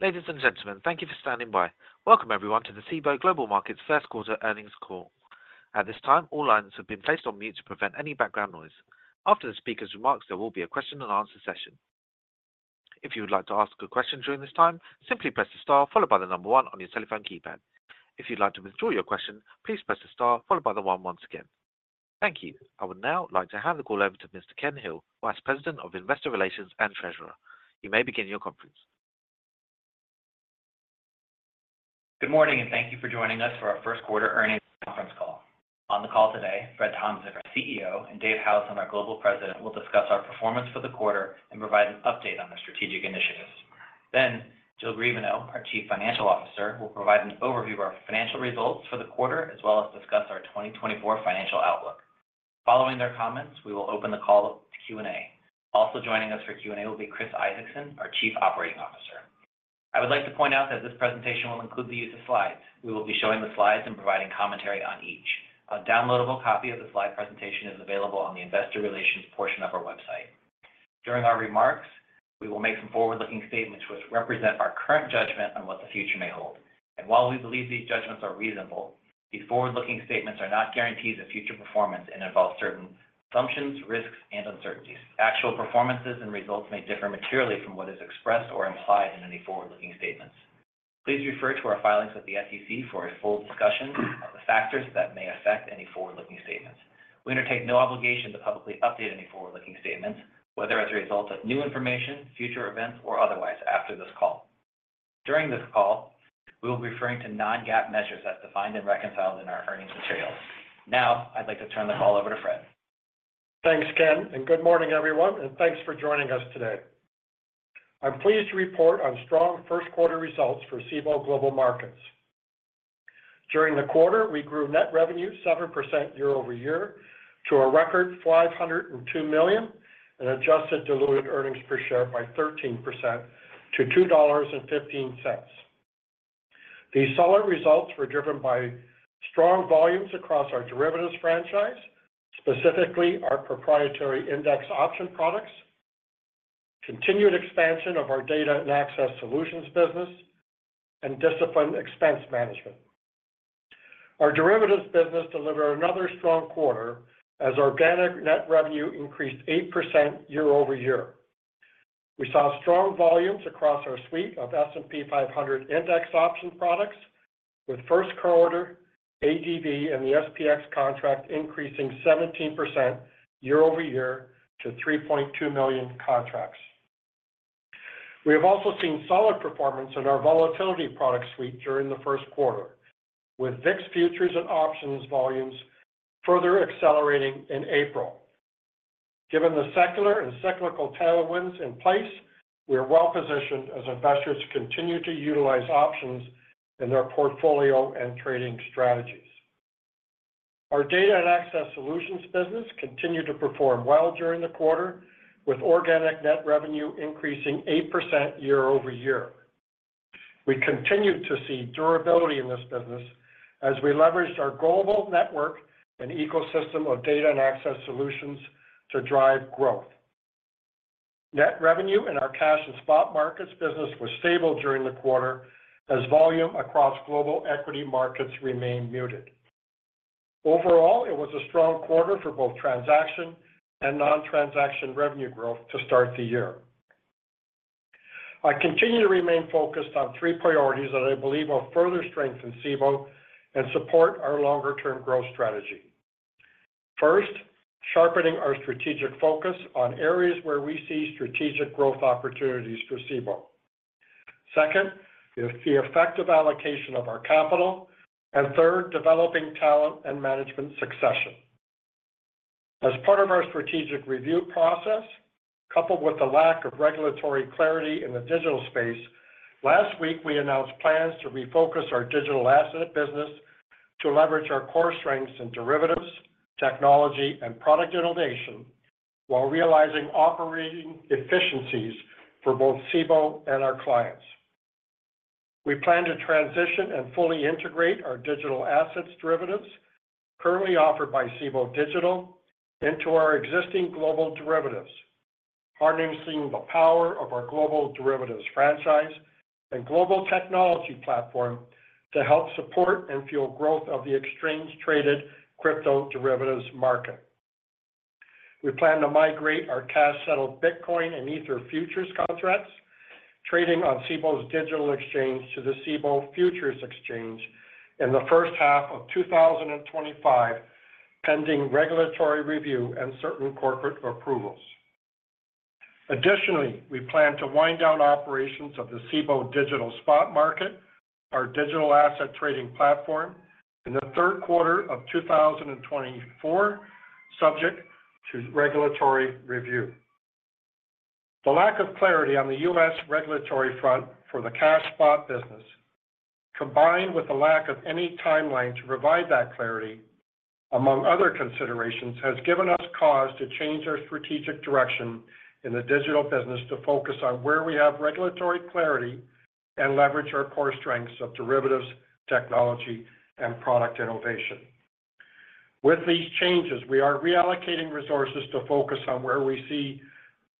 Ladies and gentlemen, thank you for standing by. Welcome everyone to the Cboe Global Markets Q1 Earnings Call. At this time, all lines have been placed on mute to prevent any background noise. After the speaker's remarks, there will be a question-and-answer session. If you would like to ask a question during this time, simply press the star followed by the number one on your telephone keypad. If you'd like to withdraw your question, please press the star followed by the one once again. Thank you. I would now like to hand the call over to Mr. Ken Hill, who is President of Investor Relations and Treasurer. You may begin your conference. Good morning, and thank you for joining us for our Q1 Earnings Conference Call. On the call today, Fredric Tomczyk, our CEO, and Dave Howson, our Global President, will discuss our performance for the quarter and provide an update on our strategic initiatives. Then Jill Griebenow, our Chief Financial Officer, will provide an overview of our financial results for the quarter as well as discuss our 2024 financial outlook. Following their comments, we will open the call up to Q&A. Also joining us for Q&A will be Chris Isaacson, our Chief Operating Officer. I would like to point out that this presentation will include the use of slides. We will be showing the slides and providing commentary on each. A downloadable copy of the slide presentation is available on the Investor Relations portion of our website. During our remarks, we will make some forward-looking statements which represent our current judgment on what the future may hold. And while we believe these judgments are reasonable, these forward-looking statements are not guarantees of future performance and involve certain assumptions, risks, and uncertainties. Actual performances and results may differ materially from what is expressed or implied in any forward-looking statements. Please refer to our filings with the SEC for a full discussion of the factors that may affect any forward-looking statements. We undertake no obligation to publicly update any forward-looking statements, whether as a result of new information, future events, or otherwise, after this call. During this call, we will be referring to non-GAAP measures as defined and reconciled in our earnings materials. Now, I'd like to turn the call over to Fred. Thanks, Ken, and good morning, everyone, and thanks for joining us today. I'm pleased to report on strong Q1 results for Cboe Global Markets. During the quarter, we grew net revenue 7% year-over-year to a record $502 million and adjusted diluted earnings per share by 13% to $2.15. These solid results were driven by strong volumes across our derivatives franchise, specifically our proprietary index option products, continued expansion of our data and access solutions business, and disciplined expense management. Our derivatives business delivered another strong quarter as organic net revenue increased 8% year-over-year. We saw strong volumes across our suite of S&P 500 index option products, with Q1 ADV and the SPX contract increasing 17% year-over-year to 3.2 million contracts. We have also seen solid performance in our volatility product suite during the Q1, with VIX futures and options volumes further accelerating in April. Given the secular and cyclical tailwinds in place, we are well-positioned as investors continue to utilize options in their portfolio and trading strategies. Our data and access solutions business continued to perform well during the quarter, with organic net revenue increasing 8% year-over-year. We continued to see durability in this business as we leveraged our global network and ecosystem of data and access solutions to drive growth. Net revenue in our cash and spot markets business was stable during the quarter as volume across global equity markets remained muted. Overall, it was a strong quarter for both transaction and non-transaction revenue growth to start the year. I continue to remain focused on three priorities that I believe will further strengthen Cboe and support our longer-term growth strategy. First, sharpening our strategic focus on areas where we see strategic growth opportunities for Cboe. Second, the effective allocation of our capital. And third, developing talent and management succession. As part of our strategic review process, coupled with the lack of regulatory clarity in the digital space, last week we announced plans to refocus our digital asset business to leverage our core strengths in derivatives, technology, and product innovation while realizing operating efficiencies for both Cboe and our clients. We plan to transition and fully integrate our digital assets derivatives, currently offered by Cboe Digital, into our existing global derivatives, harnessing the power of our global derivatives franchise and global technology platform to help support and fuel growth of the exchange-traded crypto derivatives market. We plan to migrate our cash-settled Bitcoin and Ether futures contracts, trading on Cboe's digital exchange, to the Cboe Futures Exchange in the H1 of 2025 pending regulatory review and certain corporate approvals. Additionally, we plan to wind down operations of the Cboe Digital Spot Market, our digital asset trading platform, in the Q3 of 2024 subject to regulatory review. The lack of clarity on the U.S. regulatory front for the cash spot business, combined with the lack of any timeline to provide that clarity, among other considerations, has given us cause to change our strategic direction in the digital business to focus on where we have regulatory clarity and leverage our core strengths of derivatives, technology, and product innovation. With these changes, we are reallocating resources to focus on where we see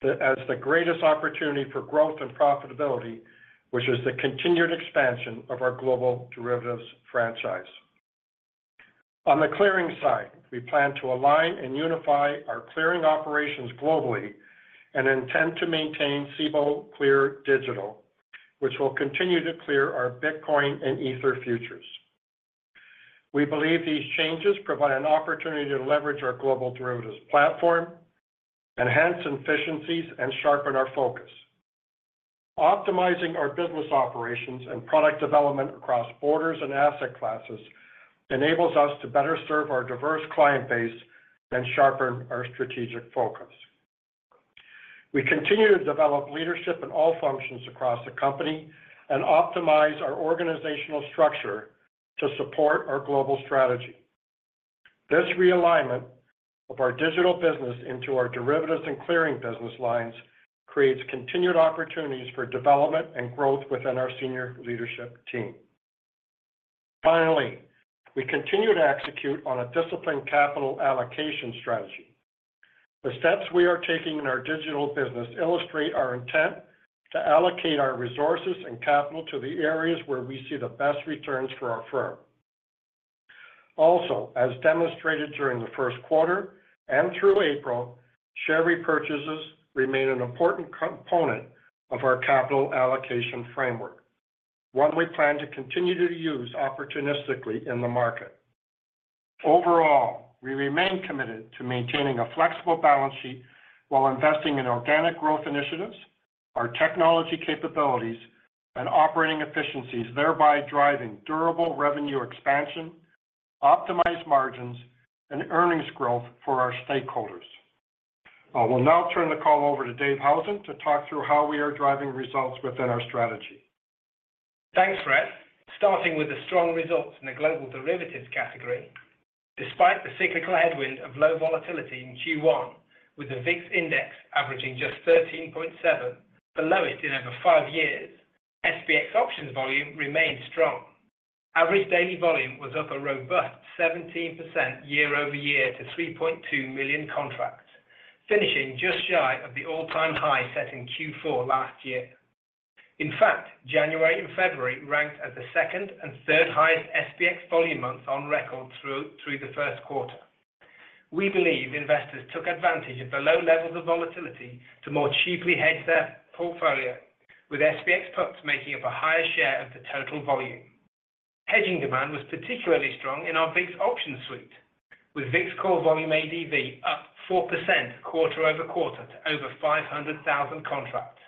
as the greatest opportunity for growth and profitability, which is the continued expansion of our global derivatives franchise. On the clearing side, we plan to align and unify our clearing operations globally and intend to maintain Cboe Clear Digital, which will continue to clear our Bitcoin and Ether futures. We believe these changes provide an opportunity to leverage our global derivatives platform, enhance efficiencies, and sharpen our focus. Optimizing our business operations and product development across borders and asset classes enables us to better serve our diverse client base and sharpen our strategic focus. We continue to develop leadership in all functions across the company and optimize our organizational structure to support our global strategy. This realignment of our digital business into our derivatives and clearing business lines creates continued opportunities for development and growth within our senior leadership team. Finally, we continue to execute on a disciplined capital allocation strategy. The steps we are taking in our digital business illustrate our intent to allocate our resources and capital to the areas where we see the best returns for our firm. Also, as demonstrated during the Q1 and through April, share repurchases remain an important component of our capital allocation framework, one we plan to continue to use opportunistically in the market. Overall, we remain committed to maintaining a flexible balance sheet while investing in organic growth initiatives, our technology capabilities, and operating efficiencies, thereby driving durable revenue expansion, optimized margins, and earnings growth for our stakeholders. I will now turn the call over to David Howson to talk through how we are driving results within our strategy. Thanks, Fred. Starting with the strong results in the global derivatives category, despite the cyclical headwind of low volatility in Q1, with the VIX index averaging just 13.7, the lowest in over five years, SPX options volume remained strong. Average daily volume was up a robust 17% year-over-year to 3.2 million contracts, finishing just shy of the all-time high set in Q4 last year. In fact, January and February ranked as the second and third highest SPX volume months on record through the Q1. We believe investors took advantage of the low levels of volatility to more cheaply hedge their portfolio, with SPX puts making up a higher share of the total volume. Hedging demand was particularly strong in our VIX options suite, with VIX core volume ADV up 4% quarter-over-quarter to over 500,000 contracts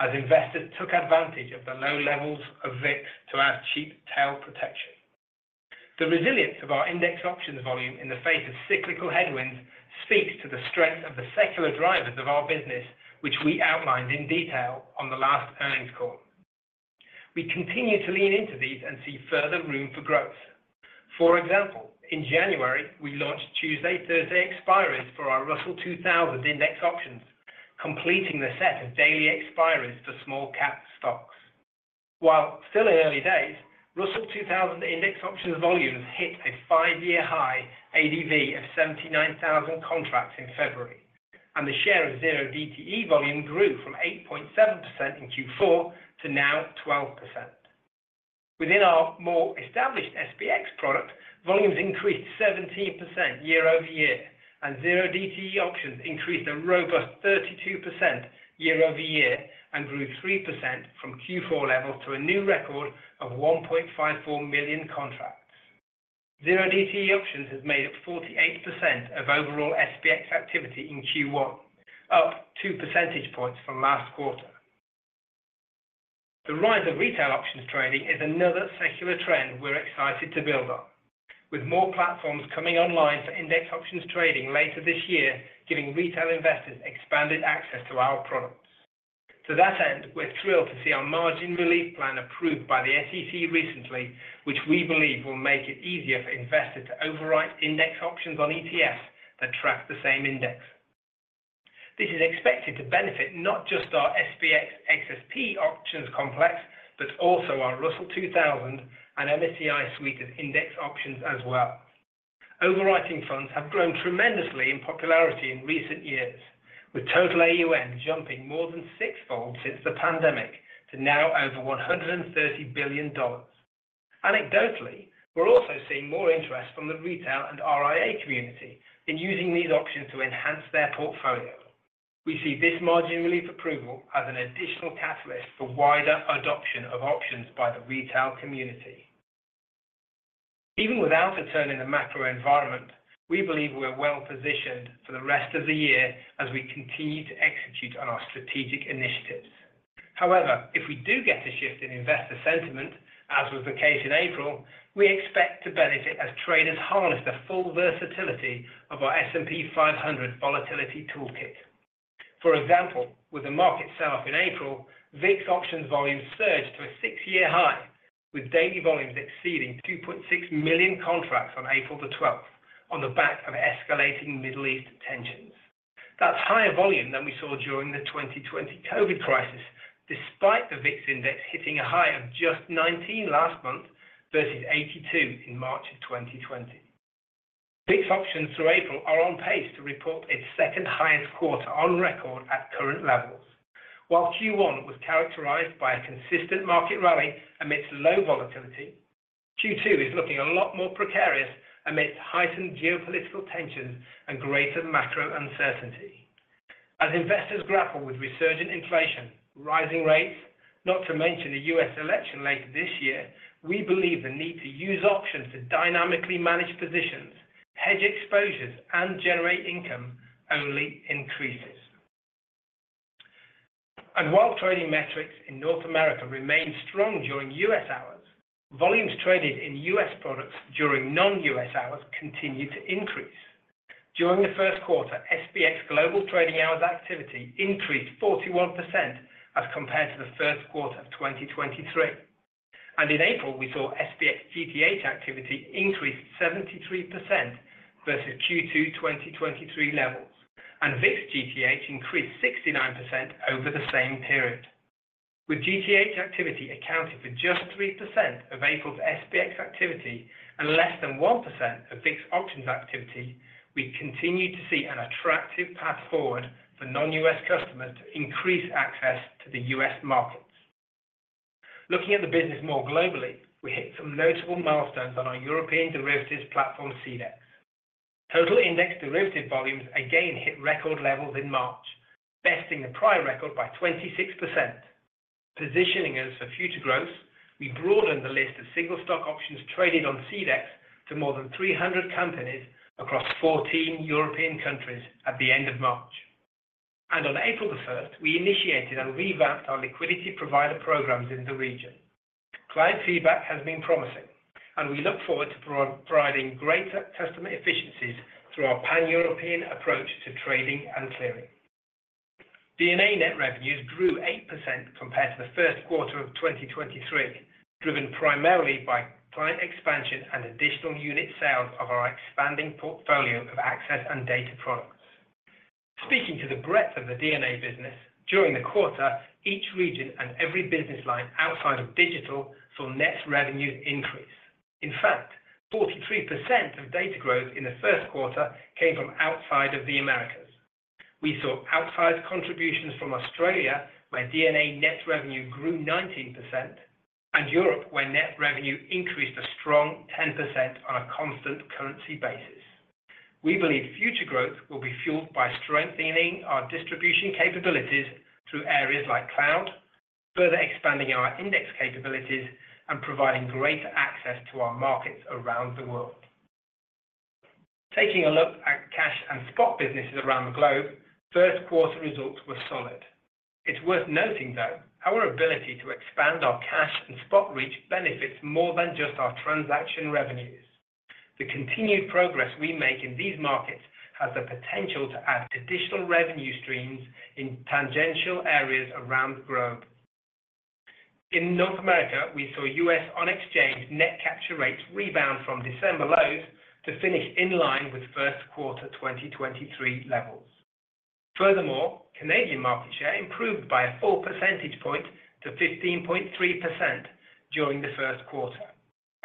as investors took advantage of the low levels of VIX to add cheap tail protection. The resilience of our index options volume in the face of cyclical headwinds speaks to the strength of the secular drivers of our business, which we outlined in detail on the last earnings call. We continue to lean into these and see further room for growth. For example, in January, we launched Tuesday/Thursday expiries for our Russell 2000 index options, completing the set of daily expiries for small-cap stocks. While still in early days, Russell 2000 index options volumes hit a five-year high ADV of 79,000 contracts in February, and the share of 0DTE volume grew from 8.7% in Q4 to now 12%. Within our more established SPX product, volumes increased 17% year-over-year, and 0DTE options increased a robust 32% year-over-year and grew 3% from Q4 levels to a new record of 1.54 million contracts. 0DTE options has made up 48% of overall SPX activity in Q1, up two percentage points from last quarter. The rise of retail options trading is another secular trend we're excited to build on, with more platforms coming online for index options trading later this year, giving retail investors expanded access to our products. To that end, we're thrilled to see our margin relief plan approved by the SEC recently, which we believe will make it easier for investors to overwrite index options on ETFs that track the same index. This is expected to benefit not just our SPX XSP options complex but also our Russell 2000 and MSCI suite of index options as well. Overwriting funds have grown tremendously in popularity in recent years, with total AUM jumping more than sixfold since the pandemic to now over $130 billion. Anecdotally, we're also seeing more interest from the retail and RIA community in using these options to enhance their portfolio. We see this margin relief approval as an additional catalyst for wider adoption of options by the retail community. Even without a turn in the macro environment, we believe we're well-positioned for the rest of the year as we continue to execute on our strategic initiatives. However, if we do get a shift in investor sentiment, as was the case in April, we expect to benefit as traders harness the full versatility of our S&P 500 volatility toolkit. For example, with the market sell-off in April, VIX options volumes surged to a six-year high, with daily volumes exceeding 2.6 million contracts on April 12th on the back of escalating Middle East tensions. That's higher volume than we saw during the 2020 COVID crisis, despite the VIX index hitting a high of just 19 last month versus 82 in March of 2020. VIX options through April are on pace to report its second highest quarter on record at current levels. While Q1 was characterized by a consistent market rally amidst low volatility, Q2 is looking a lot more precarious amidst heightened geopolitical tensions and greater macro uncertainty. As investors grapple with resurgent inflation, rising rates, not to mention the U.S. election later this year, we believe the need to use options to dynamically manage positions, hedge exposures, and generate income only increases. While trading metrics in North America remain strong during US hours, volumes traded in US products during non-US hours continue to increase. During the Q1, SPX Global Trading Hours activity increased 41% as compared to the Q1 of 2023. In April, we saw SPX GTH activity increase 73% versus Q2 2023 levels, and VIX GTH increased 69% over the same period. With GTH activity accounting for just 3% of April's SPX activity and less than 1% of VIX options activity, we continue to see an attractive path forward for non-US customers to increase access to the US markets. Looking at the business more globally, we hit some notable milestones on our European derivatives platform, CEDX. Total index derivative volumes again hit record levels in March, besting the prior record by 26%. Positioning us for future growth, we broadened the list of single-stock options traded on CEDX to more than 300 companies across 14 European countries at the end of March. On April 1st, we initiated and revamped our liquidity provider programs in the region. Client feedback has been promising, and we look forward to providing greater customer efficiencies through our pan-European approach to trading and clearing. DnA Net Revenues grew 8% compared to the Q1 of 2023, driven primarily by client expansion and additional unit sales of our expanding portfolio of access and data products. Speaking to the breadth of the DnA business, during the quarter, each region and every business line outside of digital saw net revenues increase. In fact, 43% of data growth in the Q1 came from outside of the Americas. We saw outsized contributions from Australia, where DnA net revenue grew 19%, and Europe, where net revenue increased a strong 10% on a constant currency basis. We believe future growth will be fueled by strengthening our distribution capabilities through areas like cloud, further expanding our index capabilities, and providing greater access to our markets around the world. Taking a look at cash and spot businesses around the globe, Q1 results were solid. It's worth noting, though, our ability to expand our cash and spot reach benefits more than just our transaction revenues. The continued progress we make in these markets has the potential to add additional revenue streams in tangential areas around the globe. In North America, we saw U.S. on-exchange net capture rates rebound from December lows to finish in line with Q1 2023 levels. Furthermore, Canadian market share improved by a full percentage point to 15.3% during the Q1,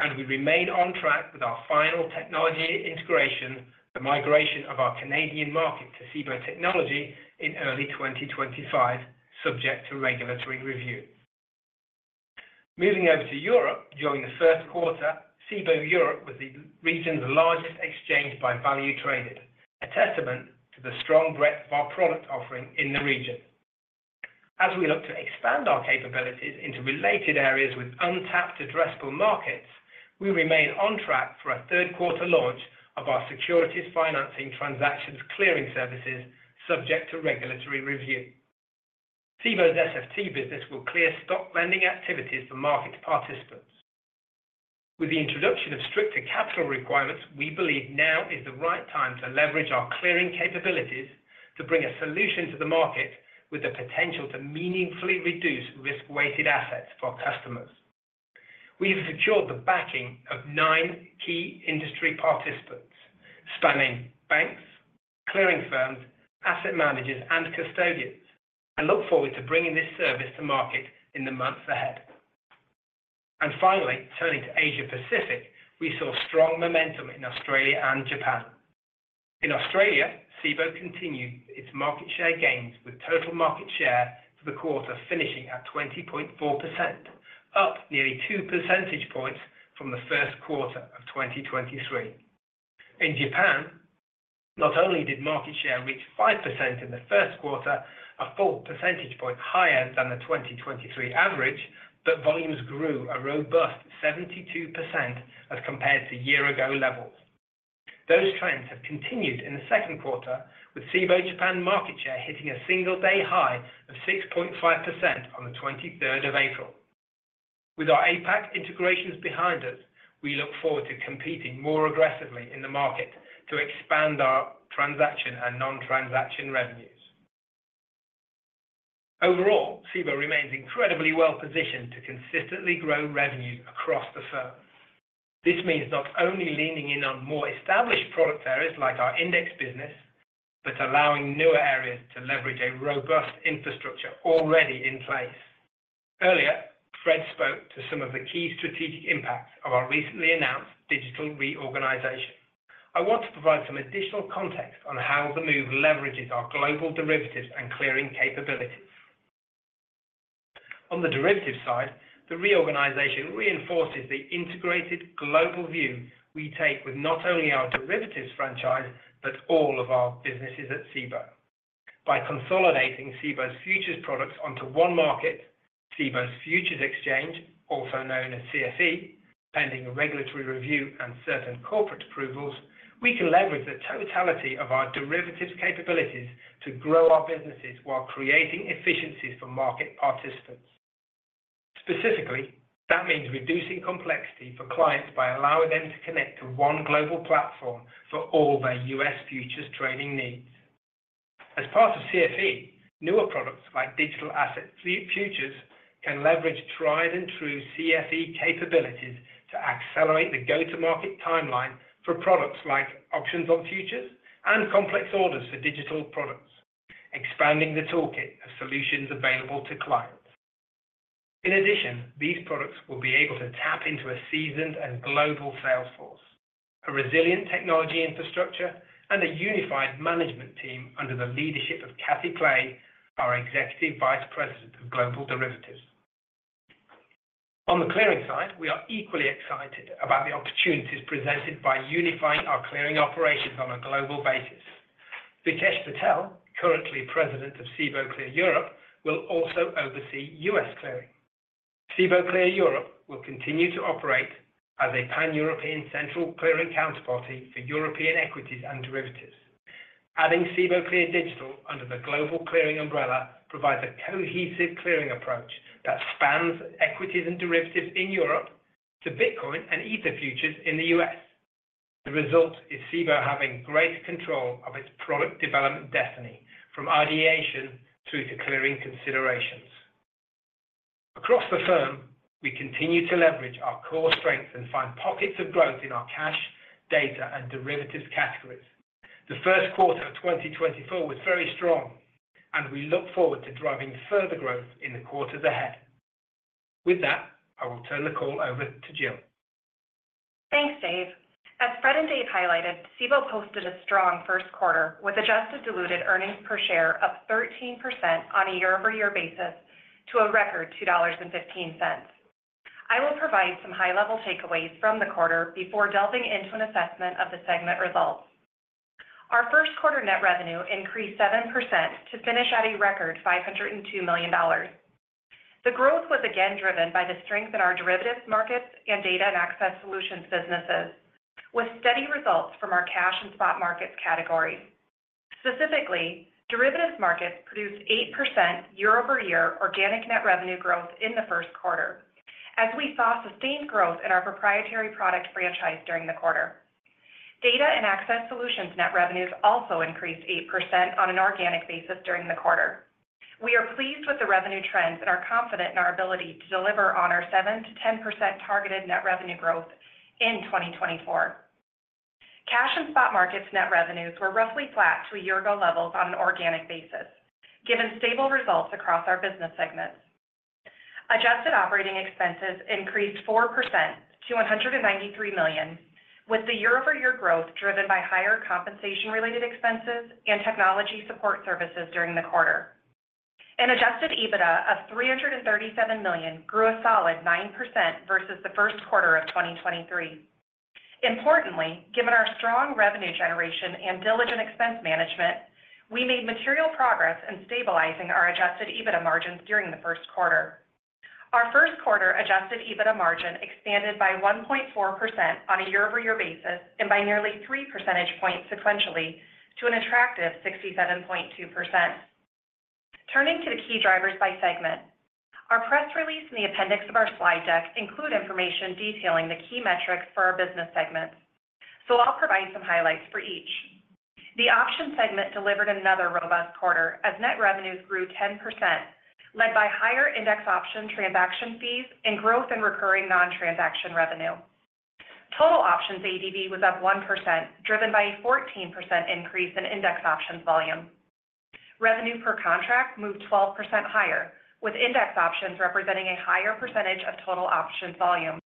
and we remain on track with our final technology integration, the migration of our Canadian market to Cboe Technology in early 2025, subject to regulatory review. Moving over to Europe, during the Q1, Cboe Europe was the region's largest exchange by value traded, a testament to the strong breadth of our product offering in the region. As we look to expand our capabilities into related areas with untapped, addressable markets, we remain on track for a Q3 launch of our Securities Financing Transactions clearing services, subject to regulatory review. Cboe's SFT business will clear stock lending activities for market participants. With the introduction of stricter capital requirements, we believe now is the right time to leverage our clearing capabilities to bring a solution to the market with the potential to meaningfully reduce risk-weighted assets for customers. We have secured the backing of nine key industry participants, spanning banks, clearing firms, asset managers, and custodians, and look forward to bringing this service to market in the months ahead. Finally, turning to Asia-Pacific, we saw strong momentum in Australia and Japan. In Australia, Cboe continued its market share gains with total market share for the quarter finishing at 20.4%, up nearly two percentage points from the Q1 of 2023. In Japan, not only did market share reach 5% in the Q1, a full percentage point higher than the 2023 average, but volumes grew a robust 72% as compared to year-ago levels. Those trends have continued in the Q2, with Cboe Japan market share hitting a single-day high of 6.5% on the 23rd of April. With our APAC integrations behind us, we look forward to competing more aggressively in the market to expand our transaction and non-transaction revenues. Overall, Cboe remains incredibly well-positioned to consistently grow revenues across the firm. This means not only leaning in on more established product areas like our index business but allowing newer areas to leverage a robust infrastructure already in place. Earlier, Fred spoke to some of the key strategic impacts of our recently announced digital reorganization. I want to provide some additional context on how the move leverages our global derivatives and clearing capabilities. On the derivatives side, the reorganization reinforces the integrated global view we take with not only our derivatives franchise but all of our businesses at Cboe. By consolidating Cboe's futures products onto one market, Cboe Futures Exchange, also known as CFE, pending regulatory review and certain corporate approvals, we can leverage the totality of our derivatives capabilities to grow our businesses while creating efficiencies for market participants. Specifically, that means reducing complexity for clients by allowing them to connect to one global platform for all their U.S. futures trading needs. As part of CFE, newer products like digital asset futures can leverage tried-and-true CFE capabilities to accelerate the go-to-market timeline for products like options on futures and complex orders for digital products, expanding the toolkit of solutions available to clients. In addition, these products will be able to tap into a seasoned and global sales force, a resilient technology infrastructure, and a unified management team under the leadership of Catherine Clay, our Executive Vice President of Global Derivatives. On the clearing side, we are equally excited about the opportunities presented by unifying our clearing operations on a global basis. Vikesh Patel, currently President of Cboe Clear Europe, will also oversee U.S. clearing. Cboe Clear Europe will continue to operate as a pan-European central clearing counterparty for European equities and derivatives. Adding Cboe Clear Digital under the global clearing umbrella provides a cohesive clearing approach that spans equities and derivatives in Europe to Bitcoin and Ether futures in the U.S. The result is Cboe having great control of its product development destiny from ideation through to clearing considerations. Across the firm, we continue to leverage our core strengths and find pockets of growth in our cash, data, and derivatives categories. The Q1 of 2024 was very strong, and we look forward to driving further growth in the quarters ahead. With that, I will turn the call over to Jill. Thanks, Dave. As Fred and Dave highlighted, Cboe posted a strong Q1 with adjusted diluted earnings per share up 13% on a year-over-year basis to a record $2.15. I will provide some high-level takeaways from the quarter before delving into an assessment of the segment results. Our Q1 net revenue increased 7% to finish at a record $502 million. The growth was again driven by the strength in our derivatives markets and data and access solutions businesses, with steady results from our cash and spot markets categories. Specifically, derivatives markets produced 8% year-over-year organic net revenue growth in the Q1, as we saw sustained growth in our proprietary product franchise during the quarter. Data and access solutions net revenues also increased 8% on an organic basis during the quarter. We are pleased with the revenue trends and are confident in our ability to deliver on our 7%-10% targeted net revenue growth in 2024. Cash and Spot markets net revenues were roughly flat to a year-ago level on an organic basis, given stable results across our business segments. Adjusted operating expenses increased 4% to $193 million, with the year-over-year growth driven by higher compensation-related expenses and technology support services during the quarter. An adjusted EBITDA of $337 million grew a solid 9% versus the Q1 of 2023. Importantly, given our strong revenue generation and diligent expense management, we made material progress in stabilising our adjusted EBITDA margins during the Q1. Our Q1 adjusted EBITDA margin expanded by 1.4% on a year-over-year basis and by nearly three percentage points sequentially to an attractive 67.2%. Turning to the key drivers by segment, our press release and the appendix of our slide deck include information detailing the key metrics for our business segments, so I'll provide some highlights for each. The options segment delivered another robust quarter as net revenues grew 10%, led by higher index option transaction fees and growth in recurring non-transaction revenue. Total options ADV was up 1%, driven by a 14% increase in index options volume. Revenue per contract moved 12% higher, with index options representing a higher percentage of total options volume.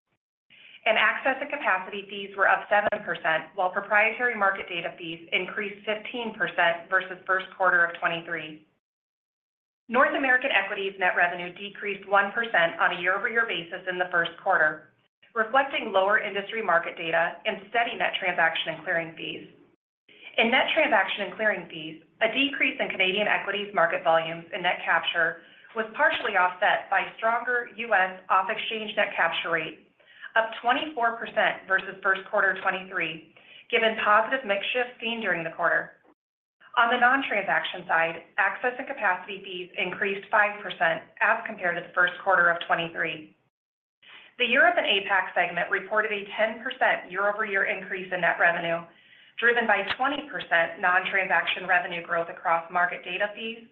Access and capacity fees were up 7%, while proprietary market data fees increased 15% versus Q1 of 2023. North American equities net revenue decreased 1% on a year-over-year basis in the Q1, reflecting lower industry market data and steady net transaction and clearing fees. In net transaction and clearing fees, a decrease in Canadian equities market volumes and net capture was partially offset by a stronger US off-exchange net capture rate, up 24% versus Q1 2023, given positive mixed shift seen during the quarter. On the non-transaction side, access and capacity fees increased 5% as compared to the Q1 of 2023. The Europe and APAC segment reported a 10% year-over-year increase in net revenue, driven by 20% non-transaction revenue growth across market data fees,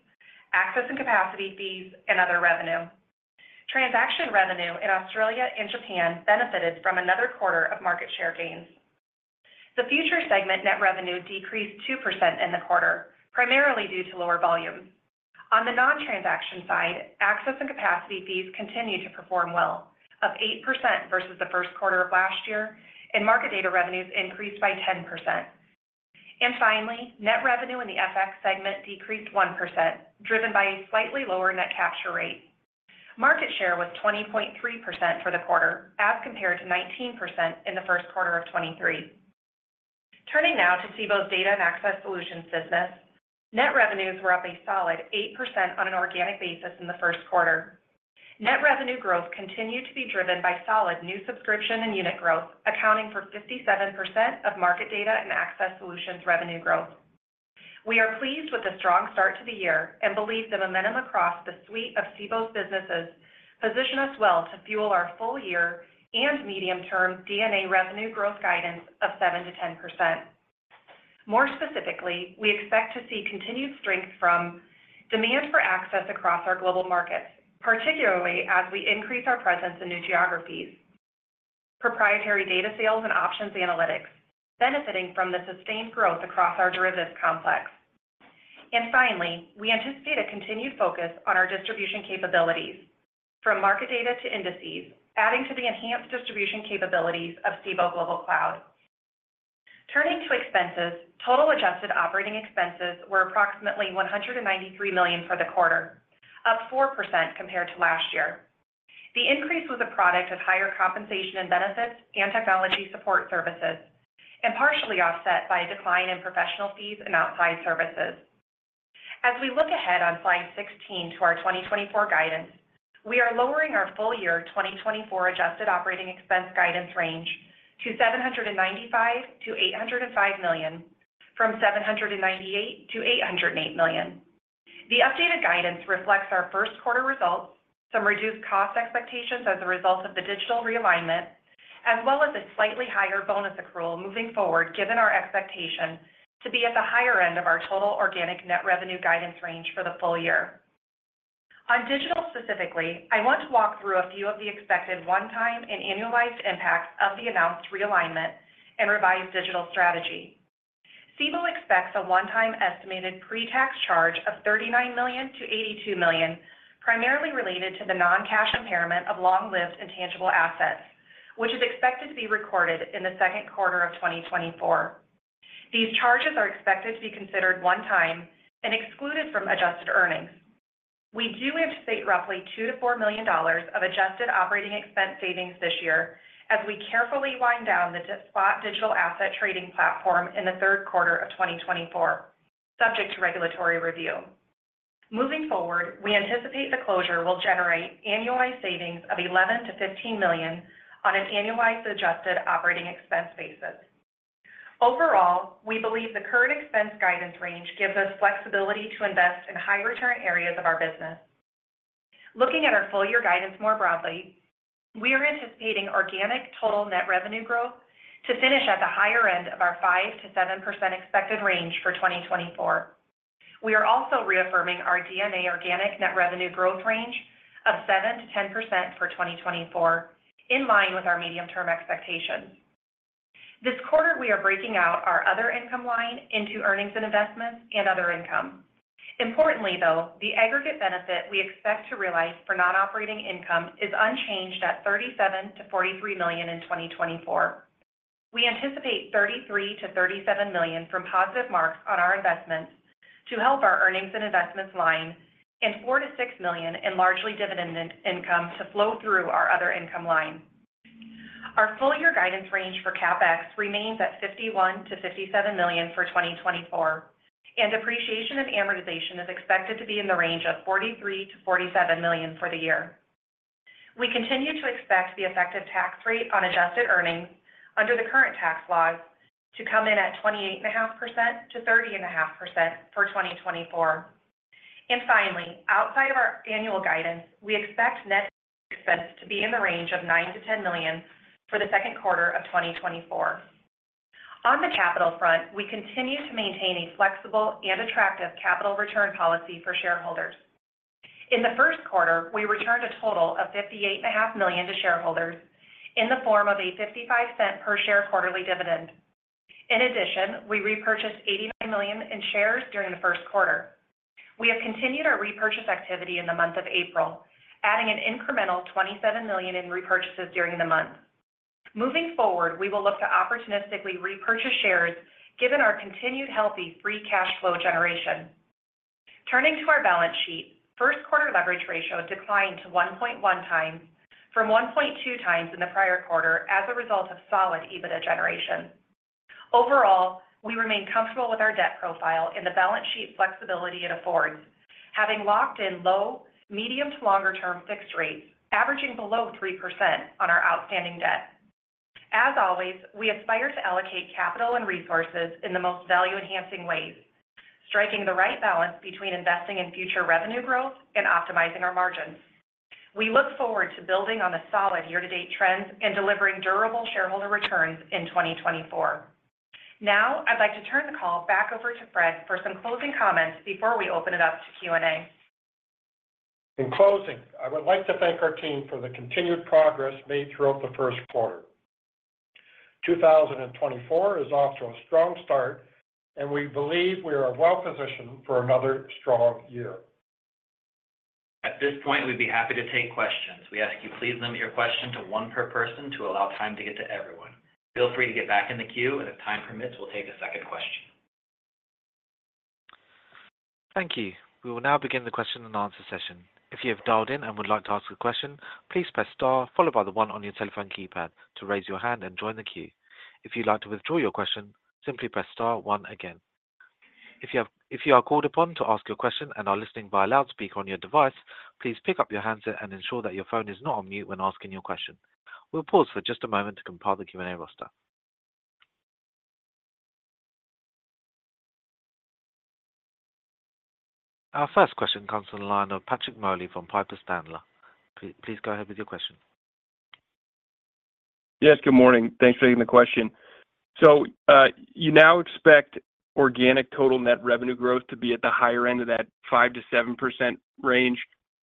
access and capacity fees, and other revenue. Transaction revenue in Australia and Japan benefited from another quarter of market share gains. The futures segment net revenue decreased 2% in the quarter, primarily due to lower volumes. On the non-transaction side, access and capacity fees continued to perform well, up 8% versus the Q1 of last year, and market data revenues increased by 10%. Finally, net revenue in the FX segment decreased 1%, driven by a slightly lower net capture rate. Market share was 20.3% for the quarter as compared to 19% in the Q1 of 2023. Turning now to Cboe's Data and Access Solutions business, net revenues were up a solid 8% on an organic basis in the Q1. Net revenue growth continued to be driven by solid new subscription and unit growth, accounting for 57% of market Data and Access Solutions revenue growth. We are pleased with the strong start to the year and believe the momentum across the suite of Cboe's businesses position us well to fuel our full-year and medium-term DnA revenue growth guidance of 7%-10%. More specifically, we expect to see continued strength from demand for access across our global markets, particularly as we increase our presence in new geographies, proprietary data sales and options analytics, benefiting from the sustained growth across our derivatives complex. Finally, we anticipate a continued focus on our distribution capabilities, from market data to indices, adding to the enhanced distribution capabilities of Cboe Global Cloud. Turning to expenses, total adjusted operating expenses were approximately $193 million for the quarter, up 4% compared to last year. The increase was a product of higher compensation and benefits and technology support services, and partially offset by a decline in professional fees and outside services. As we look ahead on Slide 16 to our 2024 guidance, we are lowering our full-year 2024 adjusted operating expense guidance range to $795 million-$805 million, from $798 million-$808 million. The updated guidance reflects our Q1 results, some reduced cost expectations as a result of the digital realignment, as well as a slightly higher bonus accrual moving forward, given our expectation to be at the higher end of our total organic net revenue guidance range for the full year. On digital specifically, I want to walk through a few of the expected one-time and annualized impacts of the announced realignment and revised digital strategy. Cboe expects a one-time estimated pre-tax charge of $39 million-$82 million, primarily related to the non-cash impairment of long-lived intangible assets, which is expected to be recorded in the Q2 of 2024. These charges are expected to be considered one-time and excluded from adjusted earnings. We do anticipate roughly $2-$4 million of adjusted operating expense savings this year as we carefully wind down the spot digital asset trading platform in the Q3 of 2024, subject to regulatory review. Moving forward, we anticipate the closure will generate annualized savings of $11-$15 million on an annualized adjusted operating expense basis. Overall, we believe the current expense guidance range gives us flexibility to invest in high-return areas of our business. Looking at our full-year guidance more broadly, we are anticipating organic total net revenue growth to finish at the higher end of our 5%-7% expected range for 2024. We are also reaffirming our DnA organic net revenue growth range of 7%-10% for 2024, in line with our medium-term expectations. This quarter, we are breaking out our other income line into earnings and investments and other income. Importantly, though, the aggregate benefit we expect to realize for non-operating income is unchanged at $37 million-$43 million in 2024. We anticipate $33 million-$37 million from positive marks on our investments to help our earnings and investments line, and $4 million-$6 million in largely dividend income to flow through our other income line. Our full-year guidance range for CapEx remains at $51 million-$57 million for 2024, and depreciation and amortization is expected to be in the range of $43 million-$47 million for the year. We continue to expect the effective tax rate on adjusted earnings under the current tax laws to come in at 28.5%-30.5% for 2024. Finally, outside of our annual guidance, we expect net expense to be in the range of $9 million-$10 million for the Q2 of 2024. On the capital front, we continue to maintain a flexible and attractive capital return policy for shareholders. In the Q1, we returned a total of $58.5 million to shareholders in the form of a $0.55 per share quarterly dividend. In addition, we repurchased $89 million in shares during the Q1. We have continued our repurchase activity in the month of April, adding an incremental $27 million in repurchases during the month. Moving forward, we will look to opportunistically repurchase shares, given our continued healthy free cash flow generation. Turning to our balance sheet, Q1 leverage ratio declined to 1.1x from 1.2x in the prior quarter as a result of solid EBITDA generation. Overall, we remain comfortable with our debt profile and the balance sheet flexibility it affords, having locked in low, medium to longer-term fixed rates averaging below 3% on our outstanding debt. As always, we aspire to allocate capital and resources in the most value-enhancing ways, striking the right balance between investing in future revenue growth and optimizing our margins. We look forward to building on the solid year-to-date trends and delivering durable shareholder returns in 2024. Now, I'd like to turn the call back over to Fred for some closing comments before we open it up to Q&A. In closing, I would like to thank our team for the continued progress made throughout the Q1. 2024 is off to a strong start, and we believe we are well-positioned for another strong year. At this point, we'd be happy to take questions. We ask you please limit your question to one per person to allow time to get to everyone. Feel free to get back in the queue, and if time permits, we'll take a second question. Thank you. We will now begin the question and answer session. If you have dialed in and would like to ask a question, please press star, followed by the one on your telephone keypad to raise your hand and join the queue. If you'd like to withdraw your question, simply press star one again. If you are called upon to ask your question and are listening via loudspeaker on your device, please pick up your handset and ensure that your phone is not on mute when asking your question. We'll pause for just a moment to compile the Q&A roster. Our first question comes from the line of Patrick Moley from Piper Sandler. Please go ahead with your question. Yes, good morning. Thanks for taking the question. So you now expect organic total net revenue growth to be at the higher end of that 5%-7% range.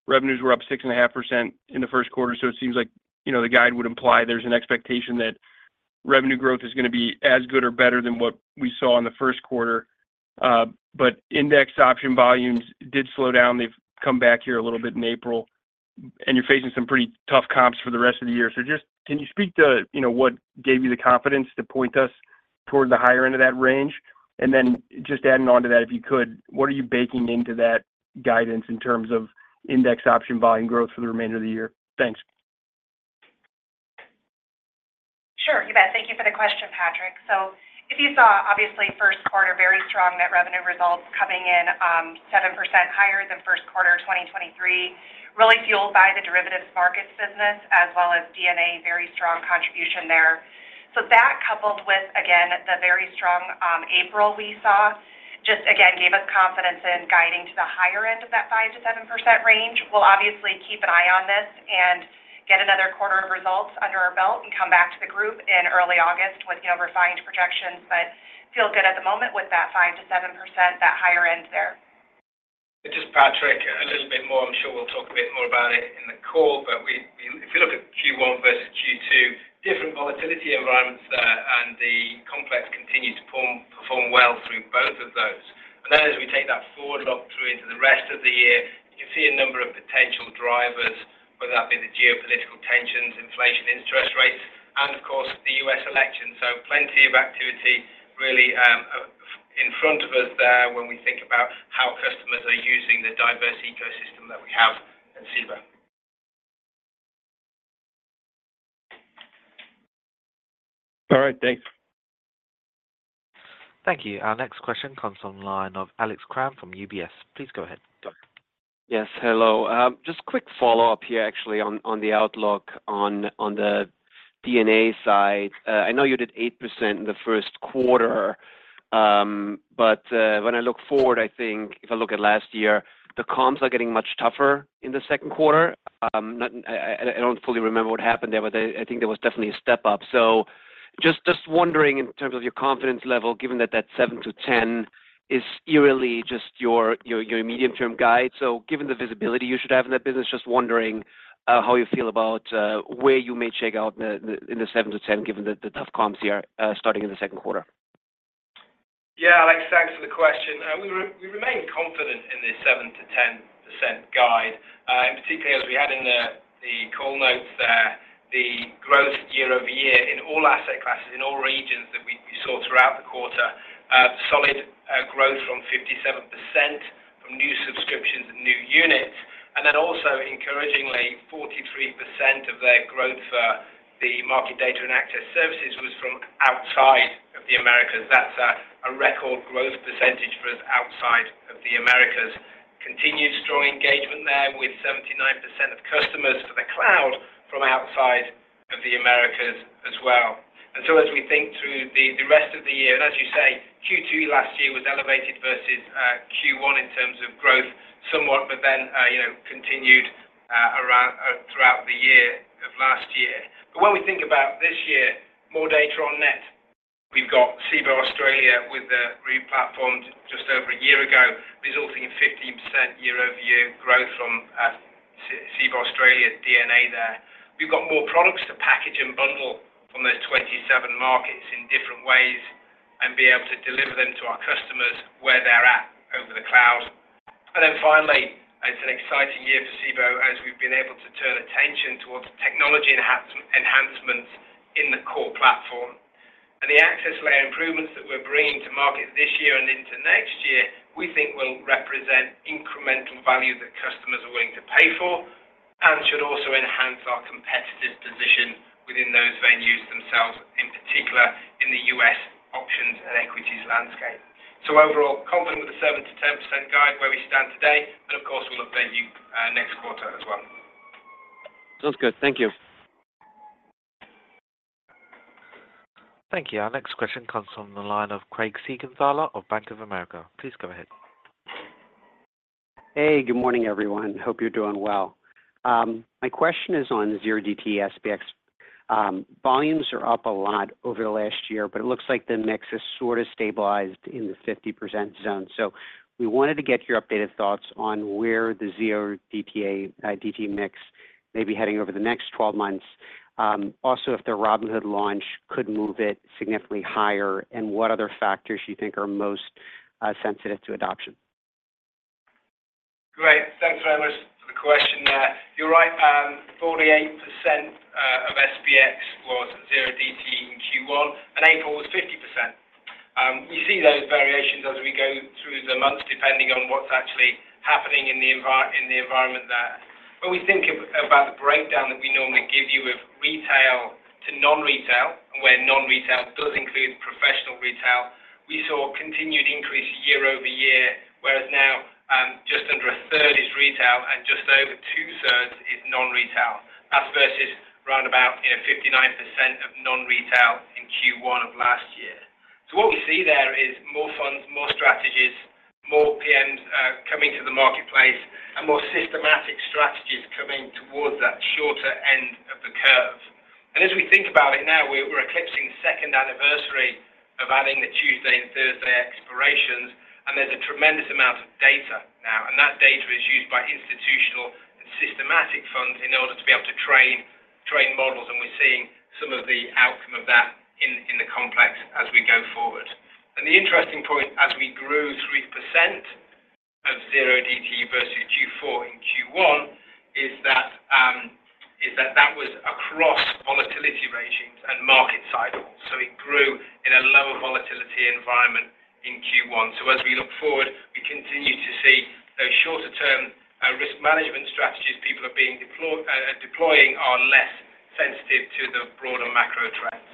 Revenues were up 6.5% in the Q1, so it seems like the guide would imply there's an expectation that revenue growth is going to be as good or better than what we saw in the Q1. But index option volumes did slow down. They've come back here a little bit in April, and you're facing some pretty tough comps for the rest of the year. So can you speak to what gave you the confidence to point us toward the higher end of that range? And then just adding on to that, if you could, what are you baking into that guidance in terms of index option volume growth for the remainder of the year? Thanks. Sure. You bet. Thank you for the question, Patrick. So if you saw, obviously, Q1 very strong net revenue results coming in 7% higher than Q1 2023, really fueled by the derivatives markets business as well as DnA very strong contribution there. So that, coupled with, again, the very strong April we saw, just, again, gave us confidence in guiding to the higher end of that 5%-7% range. We'll obviously keep an eye on this and get another quarter of results under our belt and come back to the group in early August with refined projections, but feel good at the moment with that 5%-7%, that higher end there. Just Patrick, a little bit more. I'm sure we'll talk a bit more about it in the call, but if you look at Q1 versus Q2, different volatility environments there, and the complex continues to perform well through both of those. And then as we take that forward look through into the rest of the year, you can see a number of potential drivers, whether that be the geopolitical tensions, inflation, interest rates, and, of course, the U.S. election. So plenty of activity really in front of us there when we think about how customers are using the diverse ecosystem that we have at Cboe. All right. Thanks. Thank you. Our next question comes from the line of Alex Kramm from UBS. Please go ahead. Yes. Hello. Just quick follow-up here, actually, on the outlook on the DnA side. I know you did 8% in the Q1, but when I look forward, I think if I look at last year, the comps are getting much tougher in the Q2. I don't fully remember what happened there, but I think there was definitely a step up. So just wondering in terms of your confidence level, given that that 7%-10% is eerily just your medium-term guide. So given the visibility you should have in that business, just wondering how you feel about where you may shake out in the 7%-10%, given the tough comps here starting in the Q2. Yeah. Thanks for the question. We remain confident in this 7%-10% guide. And particularly, as we had in the call notes there, the growth year-over-year in all asset classes, in all regions that we saw throughout the quarter, solid growth from 57% from new subscriptions and new units. And then also, encouragingly, 43% of their growth for the market data and access services was from outside of the Americas. That's a record growth percentage for us outside of the Americas. Continued strong engagement there with 79% of customers for the cloud from outside of the Americas as well. And so as we think through the rest of the year and as you say, Q2 last year was elevated versus Q1 in terms of growth somewhat, but then continued throughout the year of last year. But when we think about this year, more data on net. We've got Cboe Australia with the replatformed just over a year ago, resulting in 15% year-over-year growth from Cboe Australia DnA there. We've got more products to package and bundle from those 27 markets in different ways and be able to deliver them to our customers where they're at over the cloud. Then finally, it's an exciting year for Cboe as we've been able to turn attention towards technology enhancements in the core platform. The access layer improvements that we're bringing to market this year and into next year, we think will represent incremental value that customers are willing to pay for and should also enhance our competitive position within those venues themselves, in particular in the U.S. options and equities landscape. Overall, confident with the 7%-10% guide where we stand today, but of course, we'll update you next quarter as well. Sounds good. Thank you. Thank you. Our next question comes from the line of Craig Siegenthaler of Bank of America. Please go ahead. Hey. Good morning, everyone. Hope you're doing well. My question is on 0DTE SPX. Volumes are up a lot over the last year, but it looks like the mix has sort of stabilized in the 50% zone. So we wanted to get your updated thoughts on where the 0DTE/DTE mix, maybe heading over the next 12 months, also if the Robinhood launch could move it significantly higher, and what other factors you think are most sensitive to adoption. Great. Thanks, Reynolds, for the question there. You're right. 48% of SPX was 0DTE in Q1, and April was 50%. We see those variations as we go through the months, depending on what's actually happening in the environment there. When we think about the breakdown that we normally give you of retail to non-retail, and where non-retail does include professional retail, we saw a continued increase year-over-year, whereas now just under a third is retail and just over two-thirds is non-retail. That's versus roundabout 59% of non-retail in Q1 of last year. So what we see there is more funds, more strategies, more PMs coming to the marketplace, and more systematic strategies coming towards that shorter end of the curve. And as we think about it now, we're eclipsing the second anniversary of adding the Tuesday and Thursday expirations, and there's a tremendous amount of data now. That data is used by institutional and systematic funds in order to be able to train models. We're seeing some of the outcome of that in the complex as we go forward. The interesting point, as we grew 3% of 0DTE versus Q4 in Q1, is that that was across volatility regimes and market sidewalls. It grew in a lower volatility environment in Q1. As we look forward, we continue to see those shorter-term risk management strategies people are deploying are less sensitive to the broader macro trends.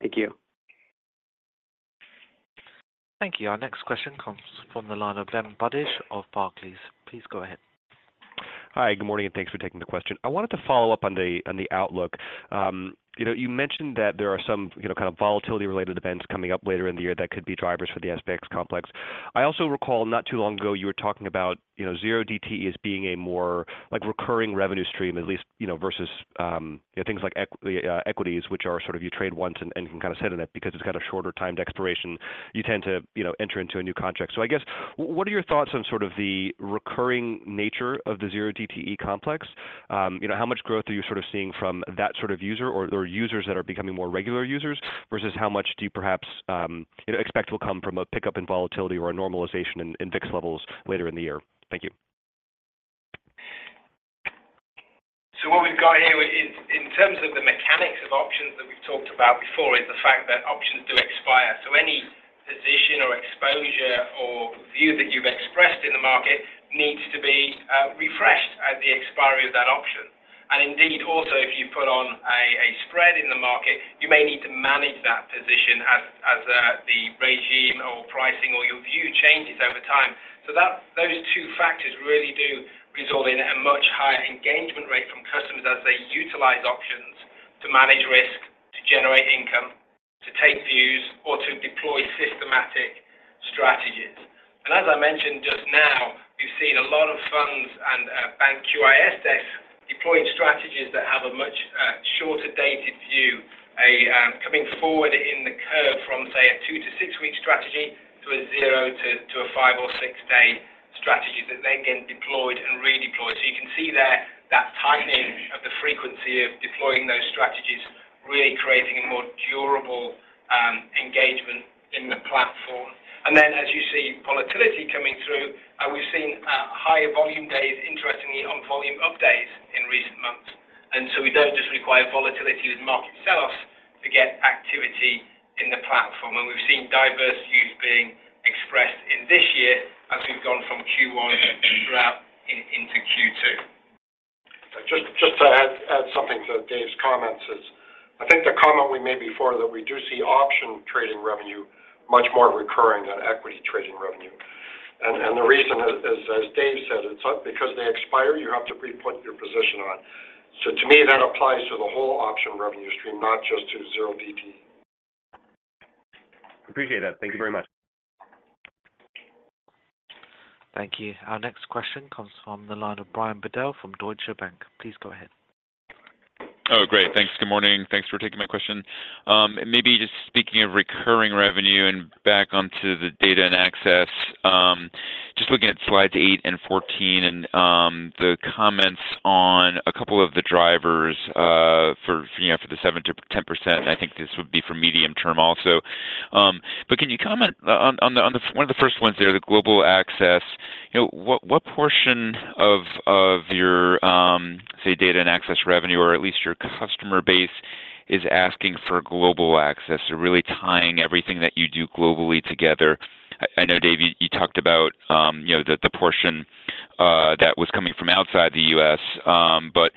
Thank you. Thank you. Our next question comes from the line of Ben Budish of Barclays. Please go ahead. Hi. Good morning, and thanks for taking the question. I wanted to follow up on the outlook. You mentioned that there are some kind of volatility-related events coming up later in the year that could be drivers for the SPX complex. I also recall not too long ago, you were talking about 0DTE as being a more recurring revenue stream, at least versus things like equities, which are sort of you trade once and can kind of sit in it because it's got a shorter timed expiration. You tend to enter into a new contract. So I guess, what are your thoughts on sort of the recurring nature of the 0DTE complex? How much growth are you sort of seeing from that sort of user or users that are becoming more regular users versus how much do you perhaps expect will come from a pickup in volatility or a normalization in VIX levels later in the year? Thank you. So what we've got here is, in terms of the mechanics of options that we've talked about before, is the fact that options do expire. So any position or exposure or view that you've expressed in the market needs to be refreshed at the expiry of that option. And indeed, also, if you've put on a spread in the market, you may need to manage that position as the regime or pricing or your view changes over time. So those two factors really do result in a much higher engagement rate from customers as they utilize options to manage risk, to generate income, to take views, or to deploy systematic strategies. And as I mentioned just now, we've seen a lot of funds and bank QIS desks deploying strategies that have a much shorter-dated view, coming forward in the curve from, say, a 2-6 week strategy to a zero to a five or six-day strategy that then gets deployed and redeployed. So you can see there that tightening of the frequency of deploying those strategies really creating a more durable engagement in the platform. And then, as you see volatility coming through, we've seen higher volume days, interestingly, on volume updates in recent months. And so we don't just require volatility with market sell-offs to get activity in the platform. And we've seen diverse views being expressed in this year as we've gone from Q1 throughout into Q2. So just to add something to Dave's comments, I think the comment we made before is that we do see option trading revenue much more recurring than equity trading revenue. And the reason is, as Dave said, it's because they expire; you have to re-put your position on. So to me, that applies to the whole option revenue stream, not just to 0DTE. Appreciate that. Thank you very much. Thank you. Our next question comes from the line of Brian Bedell from Deutsche Bank. Please go ahead. Oh, great. Thanks. Good morning. Thanks for taking my question. Maybe just speaking of recurring revenue and back onto the data and access, just looking at slides eight and 14 and the comments on a couple of the drivers for the 7%-10%, and I think this would be for medium-term also. But can you comment on one of the first ones there, the global access? What portion of your, say, data and access revenue, or at least your customer base, is asking for global access or really tying everything that you do globally together? I know, Dave, you talked about the portion that was coming from outside the U.S., but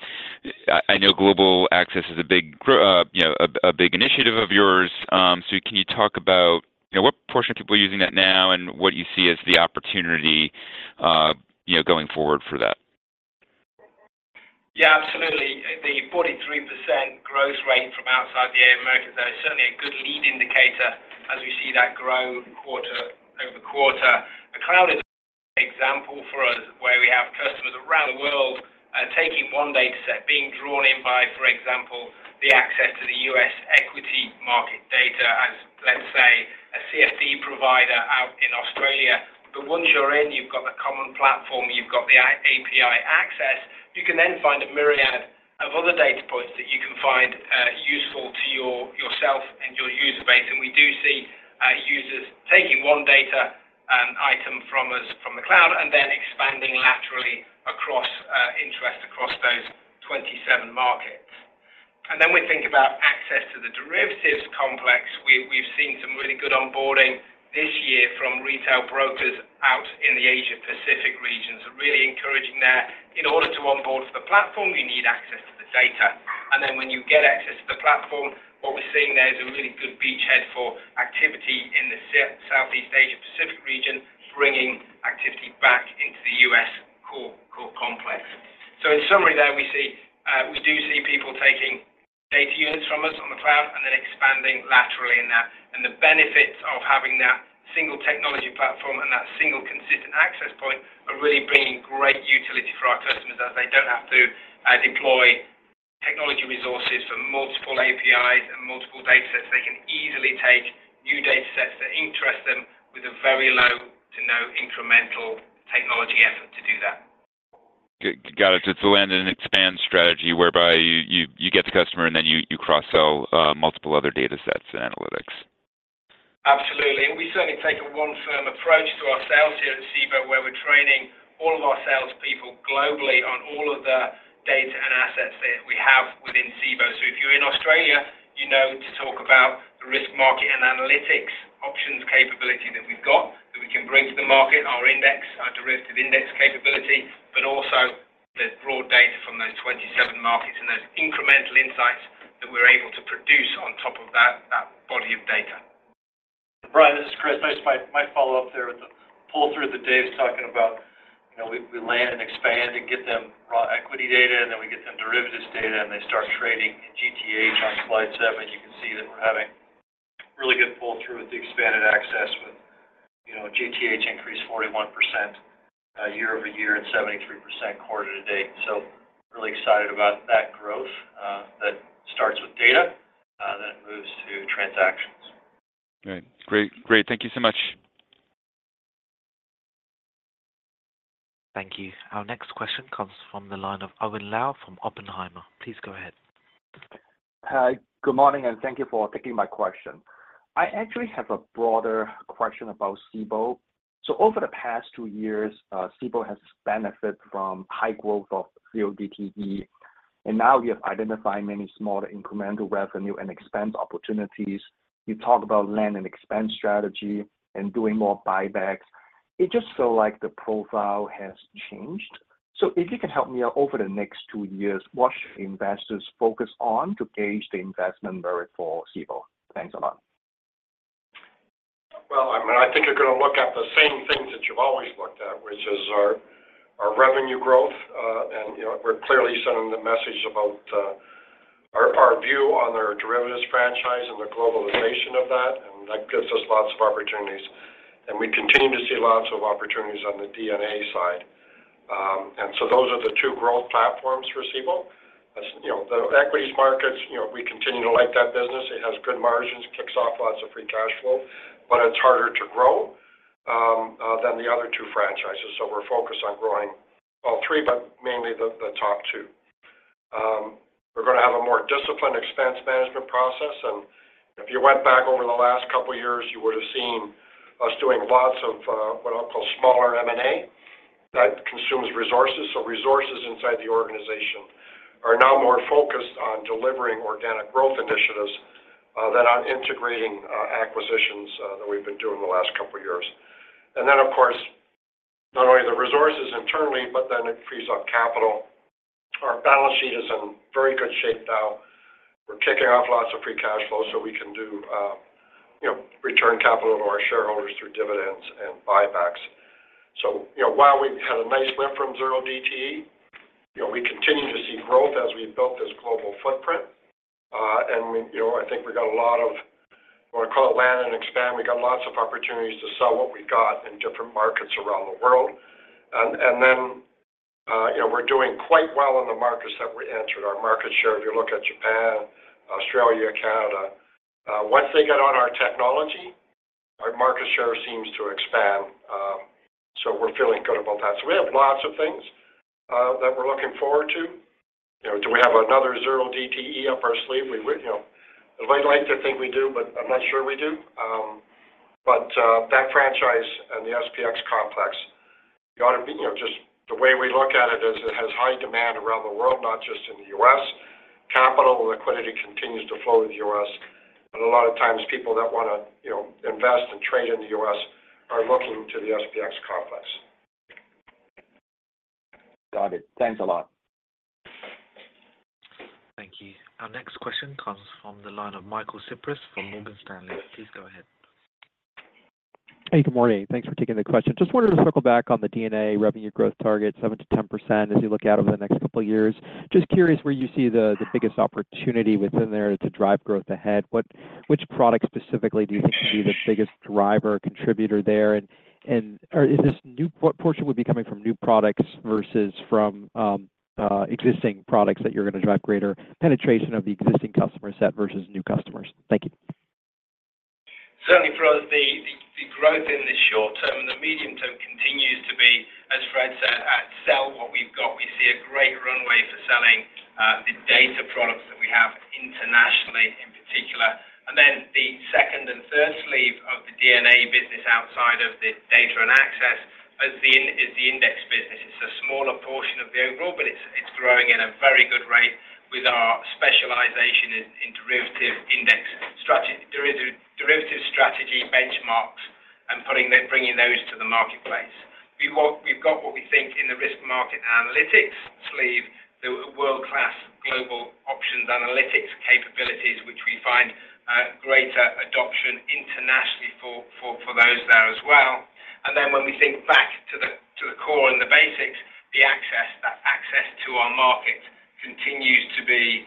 I know global access is a big initiative of yours. So can you talk about what portion of people are using that now and what you see as the opportunity going forward for that? Yeah. Absolutely. The 43% growth rate from outside the Americas, though, is certainly a good lead indicator as we see that grow quarter-over-quarter. The cloud is an example for us where we have customers around the world taking one data set, being drawn in by, for example, the access to the U.S. equity market data as, let's say, a CFD provider out in Australia. But once you're in, you've got the common platform, you've got the API access. You can then find a myriad of other data points that you can find useful to yourself and your user base. And we do see users taking one data item from us from the cloud and then expanding laterally across interest across those 27 markets. And then we think about access to the derivatives complex. We've seen some really good onboarding this year from retail brokers out in the Asia-Pacific regions. So really encouraging there, in order to onboard for the platform, you need access to the data. And then when you get access to the platform, what we're seeing there is a really good beachhead for activity in the Southeast Asia-Pacific region, bringing activity back into the U.S. core complex. So in summary there, we do see people taking data units from us on the cloud and then expanding laterally in that. And the benefits of having that single technology platform and that single consistent access point are really bringing great utility for our customers as they don't have to deploy technology resources for multiple APIs and multiple data sets. They can easily take new data sets that interest them with a very low to no incremental technology effort to do that. Got it. It's a land-and-expand strategy whereby you get the customer, and then you cross-sell multiple other data sets and analytics. Absolutely. We certainly take a one-firm approach to our sales here at Cboe where we're training all of our salespeople globally on all of the data and assets that we have within Cboe. So if you're in Australia, you know to talk about the Risk and Market Analytics options capability that we've got that we can bring to the market, our index, our derivative index capability, but also the broad data from those 27 markets and those incremental insights that we're able to produce on top of that body of data. Brian, this is Chris. Just my follow-up there with the pull-through that Dave's talking about. We land and expand and get them raw equity data, and then we get them derivatives data, and they start trading. In GTH on slide seven, you can see that we're having really good pull-through with the expanded access, with GTH increased 41% year-over-year and 73% quarter-to-date. So really excited about that growth that starts with data, then it moves to transactions. Great. Great. Great. Thank you so much. Thank you. Our next question comes from the line of Owen Lau from Oppenheimer. Please go ahead. Hi. Good morning, and thank you for taking my question. I actually have a broader question about Cboe. So over the past two years, Cboe has benefited from high growth of 0DTE, and now we have identified many smaller incremental revenue and expense opportunities. You talk about land-and-expand strategy and doing more buybacks. It just feels like the profile has changed. So if you can help me out over the next two years, what should investors focus on to gauge the investment merit for Cboe? Thanks a lot. Well, I mean, I think you're going to look at the same things that you've always looked at, which is our revenue growth. And we're clearly sending the message about our view on our derivatives franchise and the globalization of that, and that gives us lots of opportunities. And we continue to see lots of opportunities on the DnA side. And so those are the two growth platforms for Cboe. The equities markets, we continue to like that business. It has good margins, kicks off lots of free cash flow, but it's harder to grow than the other two franchises. So we're focused on growing all three, but mainly the top two. We're going to have a more disciplined expense management process. And if you went back over the last couple of years, you would have seen us doing lots of what I'll call smaller M&A that consumes resources. So resources inside the organization are now more focused on delivering organic growth initiatives than on integrating acquisitions that we've been doing the last couple of years. And then, of course, not only the resources internally, but then it frees up capital. Our balance sheet is in very good shape now. We're kicking off lots of free cash flow so we can do return capital to our shareholders through dividends and buybacks. So while we've had a nice lift from 0DTE, we continue to see growth as we've built this global footprint. And I think we've got a lot of what I call land-and-expand. We've got lots of opportunities to sell what we've got in different markets around the world. And then we're doing quite well in the markets that we entered, our market share. If you look at Japan, Australia, Canada, once they get on our technology, our market share seems to expand. So we're feeling good about that. So we have lots of things that we're looking forward to. Do we have another 0DTE up our sleeve? I'd like to think we do, but I'm not sure we do. But that franchise and the SPX complex, you ought to just the way we look at it is it has high demand around the world, not just in the U.S. Capital and liquidity continues to flow to the U.S. And a lot of times, people that want to invest and trade in the U.S. are looking to the SPX complex. Got it. Thanks a lot. Thank you. Our next question comes from the line of Michael Cyprys from Morgan Stanley. Please go ahead. Hey. Good morning. Thanks for taking the question. Just wanted to circle back on the DnA revenue growth target, 7%-10%, as you look out over the next couple of years. Just curious where you see the biggest opportunity within there to drive growth ahead. Which product specifically do you think can be the biggest driver or contributor there? And is this new what portion would be coming from new products versus from existing products that you're going to drive greater penetration of the existing customer set versus new customers? Thank you. Certainly for us, the growth in the short term and the medium term continues to be, as Fred said, to sell what we've got. We see a great runway for selling the data products that we have internationally in particular. And then the second and third sleeve of the DnA business outside of the data and access is the index business. It's a smaller portion of the overall, but it's growing at a very good rate with our specialization in derivative index derivative strategy benchmarks and bringing those to the marketplace. We've got what we think in the risk market analytics sleeve, the world-class global options analytics capabilities, which we find greater adoption internationally for those there as well. And then when we think back to the core and the basics, the access, that access to our markets continues to be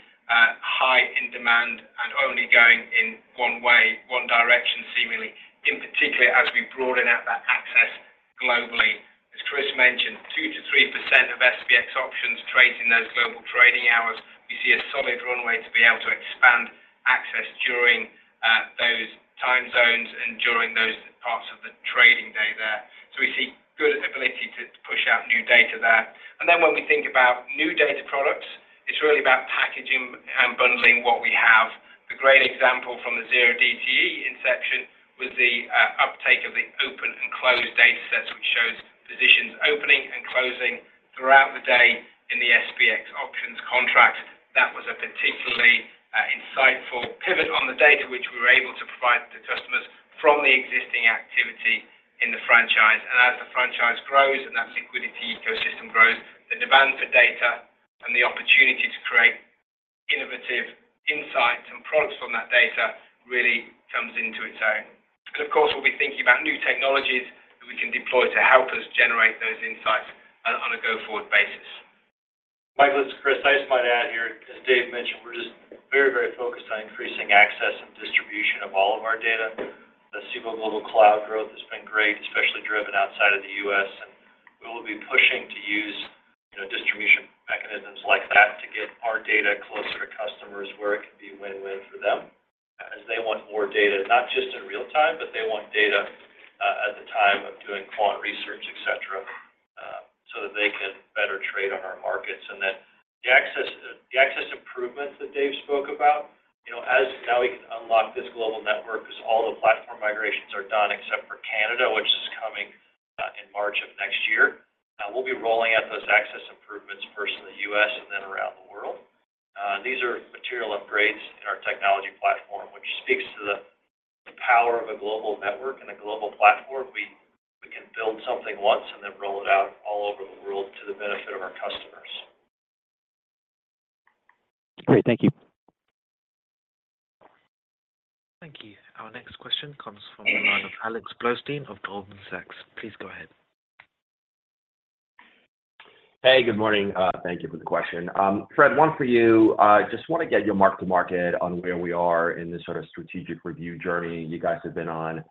high in demand and only going in one way, one direction seemingly, in particular as we broaden out that access globally. As Chris mentioned, 2%-3% of SPX options trading those global trading hours. We see a solid runway to be able to expand access during those time zones and during those parts of the trading day there. So we see good ability to push out new data there. And then when we think about new data products, it's really about packaging and bundling what we have. The great example from the 0DTE inception was the uptake of the open and closed data sets, which shows positions opening and closing throughout the day in the SPX options contracts. That was a particularly insightful pivot on the data, which we were able to provide to customers from the existing activity in the franchise. As the franchise grows and that liquidity ecosystem grows, the demand for data and the opportunity to create innovative insights and products from that data really comes into its own. Of course, we'll be thinking about new technologies that we can deploy to help us generate those insights on a go-forward basis. Michael, this is Chris. I just might add here, as Dave mentioned, we're just very, very focused on increasing access and distribution of all of our data. The Cboe Global Cloud growth has been great, especially driven outside of the U.S. We will be pushing to use distribution mechanisms like that to get our data closer to customers where it can be win-win for them as they want more data, not just in real time, but they want data at the time of doing quant research, etc., so that they can better trade on our markets. Then the access improvements that Dave spoke about, as now we can unlock this global network because all the platform migrations are done except for Canada, which is coming in March of next year, we'll be rolling out those access improvements first in the U.S. and then around the world. These are material upgrades in our technology platform, which speaks to the power of a global network and a global platform. We can build something once and then roll it out all over the world to the benefit of our customers. Great. Thank you. Thank you. Our next question comes from the line of Alex Blostein of Goldman Sachs. Please go ahead. Hey. Good morning. Thank you for the question. Fred, one for you. Just want to get your mark-to-market on where we are in this sort of strategic review journey you guys have been on.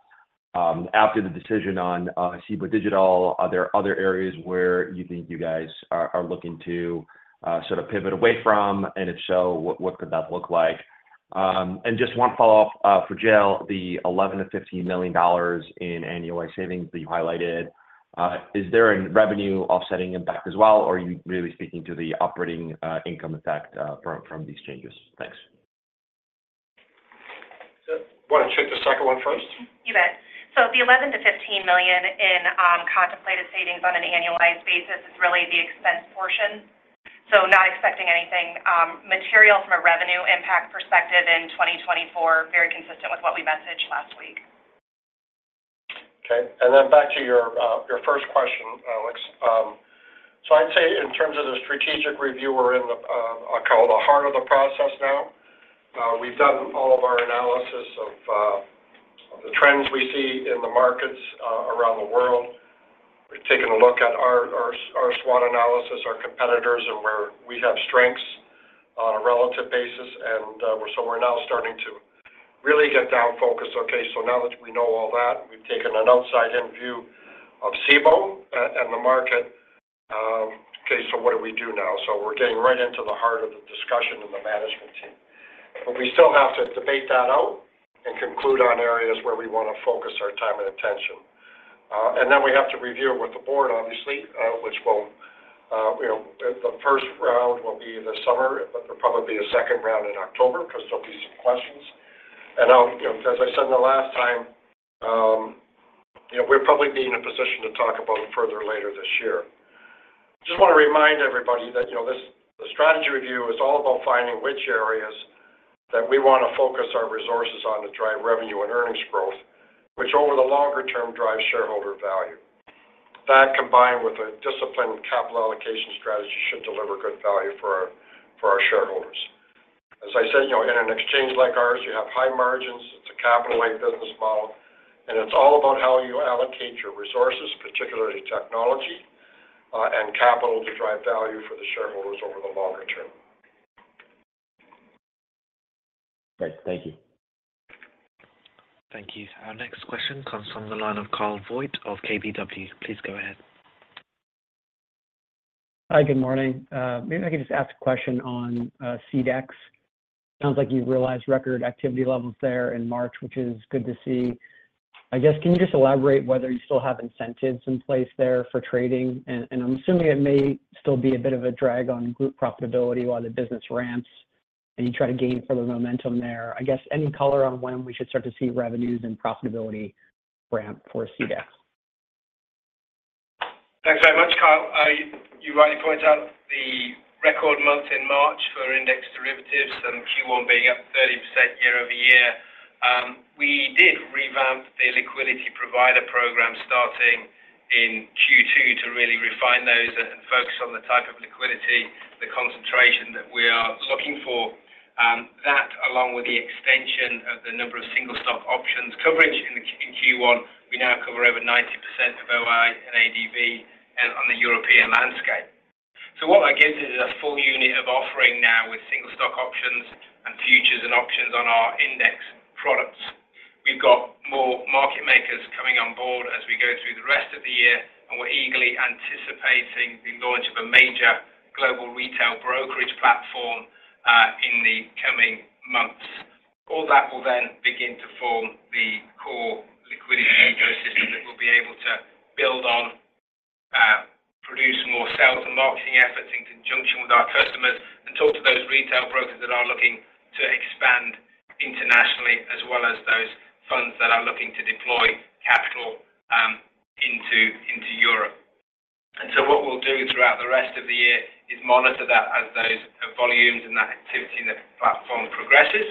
After the decision on Cboe Digital, are there other areas where you think you guys are looking to sort of pivot away from? And if so, what could that look like? And just one follow-up for Jill, the $11 million-$15 million in annualized savings that you highlighted, is there a revenue offsetting impact as well, or are you really speaking to the operating income effect from these changes? Thanks. I want to check the second one first. You bet. So the $11 million-$15 million in contemplated savings on an annualized basis is really the expense portion. So not expecting anything material from a revenue impact perspective in 2024, very consistent with what we messaged last week. Okay. And then back to your first question, Alex. So I'd say in terms of the strategic review, we're in what I call the heart of the process now. We've done all of our analysis of the trends we see in the markets around the world. We've taken a look at our SWOT analysis, our competitors, and where we have strengths on a relative basis. And so we're now starting to really get down-focused. Okay. So now that we know all that, we've taken an outside-in view of Cboe and the market. Okay. So what do we do now? So we're getting right into the heart of the discussion in the management team. But we still have to debate that out and conclude on areas where we want to focus our time and attention. Then we have to review it with the board, obviously, which will the first round will be this summer, but there'll probably be a second round in October because there'll be some questions. As I said the last time, we're probably being in a position to talk about it further later this year. Just want to remind everybody that the strategy review is all about finding which areas that we want to focus our resources on to drive revenue and earnings growth, which over the longer term drives shareholder value. That combined with a disciplined capital allocation strategy should deliver good value for our shareholders. As I said, in an exchange like ours, you have high margins. It's a capital-light business model. And it's all about how you allocate your resources, particularly technology and capital, to drive value for the shareholders over the longer term. Great. Thank you. Thank you. Our next question comes from the line of Kyle Voigt of KBW. Please go ahead. Hi. Good morning. Maybe I could just ask a question on CEDX. Sounds like you realized record activity levels there in March, which is good to see. I guess, can you just elaborate whether you still have incentives in place there for trading? And I'm assuming it may still be a bit of a drag on group profitability while the business ramps and you try to gain further momentum there. I guess, any color on when we should start to see revenues and profitability ramp for CEDX? Thanks very much, Kyle. You rightly point out the record month in March for index derivatives and Q1 being up 30% year-over-year. We did revamp the liquidity provider program starting in Q2 to really refine those and focus on the type of liquidity, the concentration that we are looking for, that along with the extension of the number of single-stock options coverage in Q1. We now cover over 90% of OI and ADV on the European landscape. So what that gives us is a full unit of offering now with single-stock options and futures and options on our index products. We've got more market makers coming on board as we go through the rest of the year, and we're eagerly anticipating the launch of a major global retail brokerage platform in the coming months. All that will then begin to form the core liquidity ecosystem that we'll be able to build on, produce more sales and marketing efforts in conjunction with our customers, and talk to those retail brokers that are looking to expand internationally as well as those funds that are looking to deploy capital into Europe. And so what we'll do throughout the rest of the year is monitor that as those volumes and that activity in the platform progresses.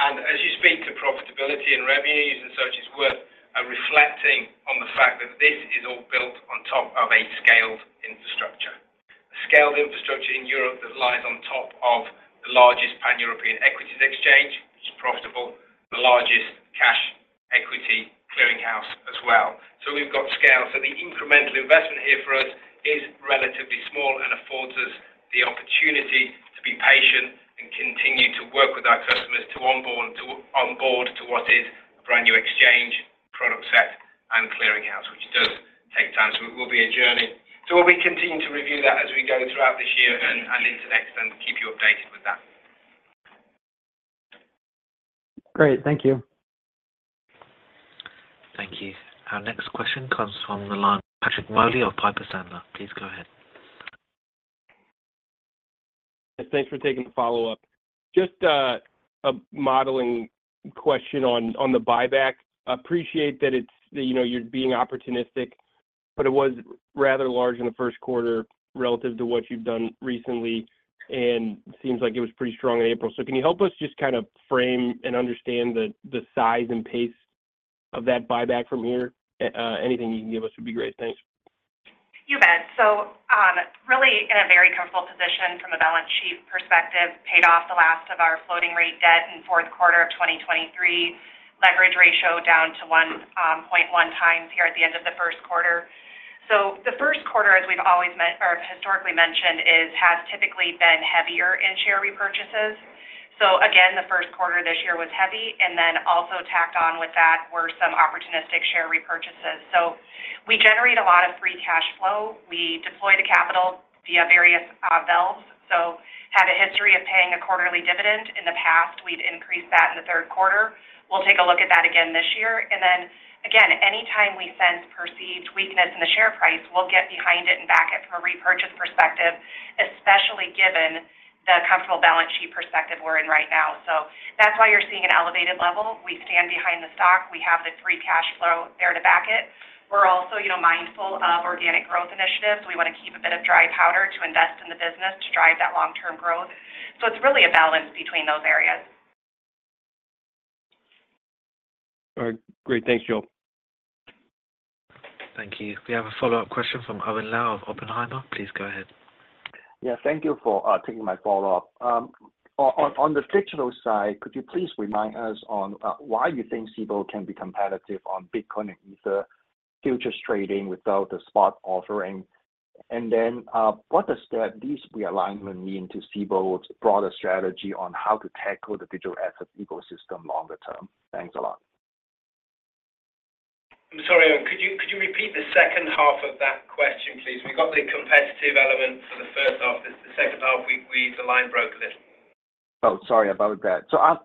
And as you speak to profitability and revenues and such, it's worth reflecting on the fact that this is all built on top of a scaled infrastructure, a scaled infrastructure in Europe that lies on top of the largest pan-European equities exchange, which is profitable, the largest cash equity clearinghouse as well. So we've got scale. The incremental investment here for us is relatively small and affords us the opportunity to be patient and continue to work with our customers to onboard to what is a brand new exchange, product set, and clearinghouse, which does take time. It will be a journey. We'll be continuing to review that as we go throughout this year and into next and keep you updated with that. Great. Thank you. Thank you. Our next question comes from the line of Patrick Moley of Piper Sandler. Please go ahead. Yes. Thanks for taking the follow-up. Just a modeling question on the buyback. Appreciate that you're being opportunistic, but it was rather large in the Q1 relative to what you've done recently, and it seems like it was pretty strong in April. So can you help us just kind of frame and understand the size and pace of that buyback from here? Anything you can give us would be great. Thanks. You bet. So really in a very comfortable position from a balance sheet perspective, paid off the last of our floating-rate debt in Q4 of 2023, leverage ratio down to 1.1x here at the end of the Q1. So the Q1, as we've always or historically mentioned, has typically been heavier in share repurchases. So again, the Q1 this year was heavy. And then also tacked on with that were some opportunistic share repurchases. So we generate a lot of free cash flow. We deploy the capital via various valves. So had a history of paying a quarterly dividend in the past, we'd increase that in the Q3. We'll take a look at that again this year. And then again, anytime we sense perceived weakness in the share price, we'll get behind it and back it from a repurchase perspective, especially given the comfortable balance sheet perspective we're in right now. So that's why you're seeing an elevated level. We stand behind the stock. We have the free cash flow there to back it. We're also mindful of organic growth initiatives. We want to keep a bit of dry powder to invest in the business to drive that long-term growth. So it's really a balance between those areas. All right. Great. Thanks, Jill. Thank you. We have a follow-up question from Owen Lau of Oppenheimer. Please go ahead. Yeah. Thank you for taking my follow-up. On the digital side, could you please remind us on why you think Cboe can be competitive on Bitcoin and Ether futures trading without the spot offering? And then what does this realignment mean to Cboe's broader strategy on how to tackle the digital assets ecosystem longer term? Thanks a lot. I'm sorry, Owen. Could you repeat the H2 of that question, please? We've got the competitive element for the H1. The H2, the line broke a little. Oh, sorry about that. So I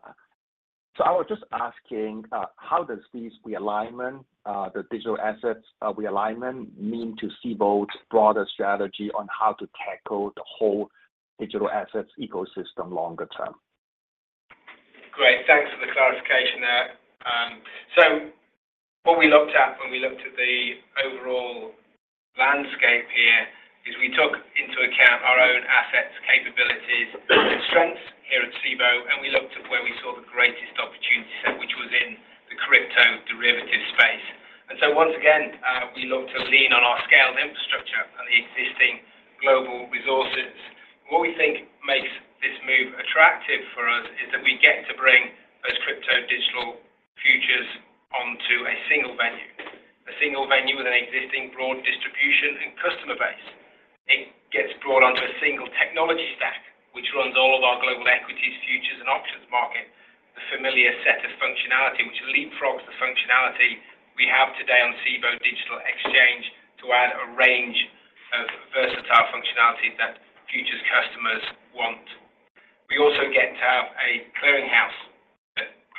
was just asking, how does this realignment, the digital assets realignment, mean to Cboe's broader strategy on how to tackle the whole digital assets ecosystem longer term? Great. Thanks for the clarification there. So what we looked at when we looked at the overall landscape here is we took into account our own assets, capabilities, and strengths here at Cboe, and we looked at where we saw the greatest opportunity set, which was in the crypto derivative space. Once again, we looked to lean on our scaled infrastructure and the existing global resources. What we think makes this move attractive for us is that we get to bring those crypto digital futures onto a single venue, a single venue with an existing broad distribution and customer base. It gets brought onto a single technology stack, which runs all of our global equities, futures, and options market, the familiar set of functionality, which leapfrogs the functionality we have today on Cboe Digital Exchange to add a range of versatile functionalities that futures customers want. We also get to have a clearinghouse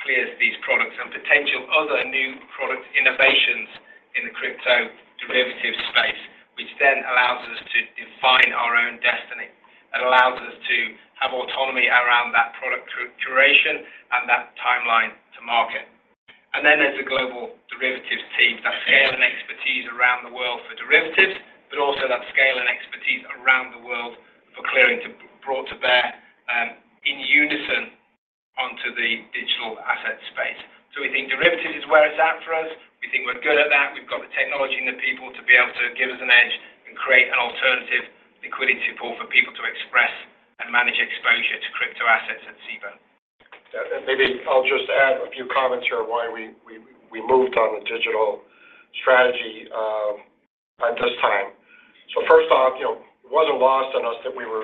that clears these products and potential other new product innovations in the crypto derivative space, which then allows us to define our own destiny. It allows us to have autonomy around that product curation and that timeline to market. And then there's the global derivatives team that scale and expertise around the world for derivatives, but also that scale and expertise around the world for clearing brought to bear in unison onto the digital assets space. So we think derivatives is where it's at for us. We think we're good at that. We've got the technology and the people to be able to give us an edge and create an alternative liquidity pool for people to express and manage exposure to crypto assets at Cboe. Maybe I'll just add a few comments here on why we moved on the digital strategy at this time. So first off, it wasn't lost on us that we were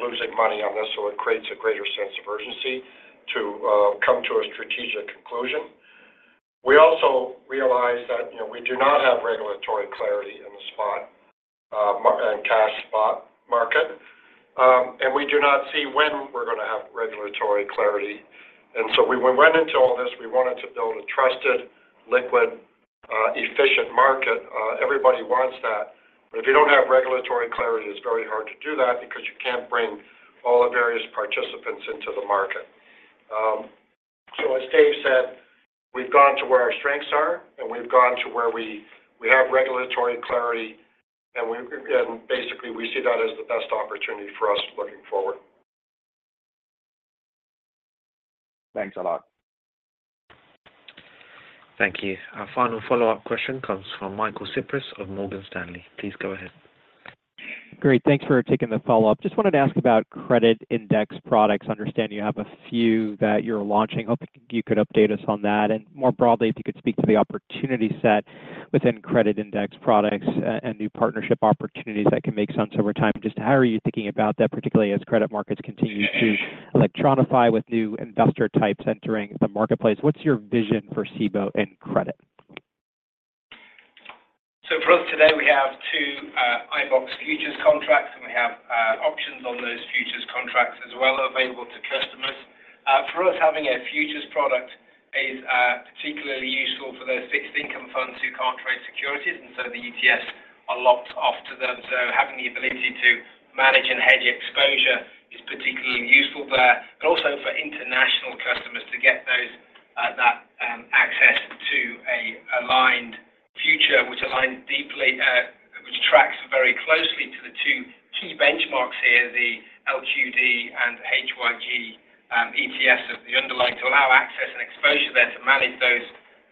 losing money on this, so it creates a greater sense of urgency to come to a strategic conclusion. We also realized that we do not have regulatory clarity in the spot and cash spot market, and we do not see when we're going to have regulatory clarity. And so when we went into all this, we wanted to build a trusted, liquid, efficient market. Everybody wants that. But if you don't have regulatory clarity, it's very hard to do that because you can't bring all the various participants into the market. So as Dave said, we've gone to where our strengths are, and we've gone to where we have regulatory clarity. Basically, we see that as the best opportunity for us looking forward. Thanks a lot. Thank you. Our final follow-up question comes from Michael Cyprys of Morgan Stanley. Please go ahead. Great. Thanks for taking the follow-up. Just wanted to ask about credit index products. Understanding you have a few that you're launching, hope you could update us on that. More broadly, if you could speak to the opportunity set within credit index products and new partnership opportunities that can make sense over time. Just how are you thinking about that, particularly as credit markets continue to electronify with new investor types entering the marketplace? What's your vision for Cboe in credit? So for us today, we have two iBoxx futures contracts, and we have options on those futures contracts as well available to customers. For us, having a futures product is particularly useful for those fixed income funds who can't trade securities, and so the ETFs are locked off to them. So having the ability to manage and hedge exposure is particularly useful there, but also for international customers to get that access to an aligned future, which tracks very closely to the two key benchmarks here, the LQD and HYG ETFs of the underlying to allow access and exposure there to manage those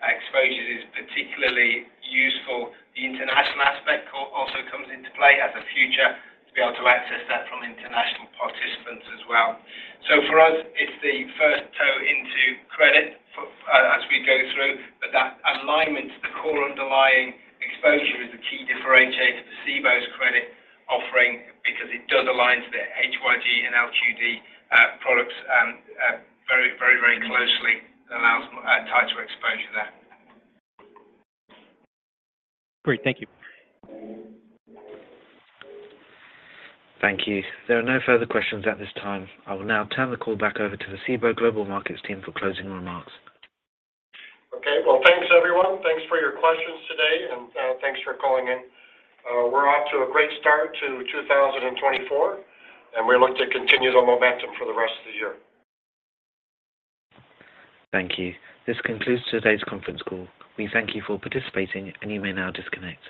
exposures is particularly useful. The international aspect also comes into play as a future to be able to access that from international participants as well. So for us, it's the first toe into credit as we go through. But that alignment to the core underlying exposure is the key differentiator for Cboe's credit offering because it does align to the HYG and LQD products very, very, very closely and allows tighter exposure there. Great. Thank you. Thank you. There are no further questions at this time. I will now turn the call back over to the Cboe Global Markets Team for closing remarks. Okay. Well, thanks, everyone. Thanks for your questions today, and thanks for calling in. We're off to a great start to 2024, and we look to continue the momentum for the rest of the year. Thank you. This concludes today's conference call. We thank you for participating, and you may now disconnect.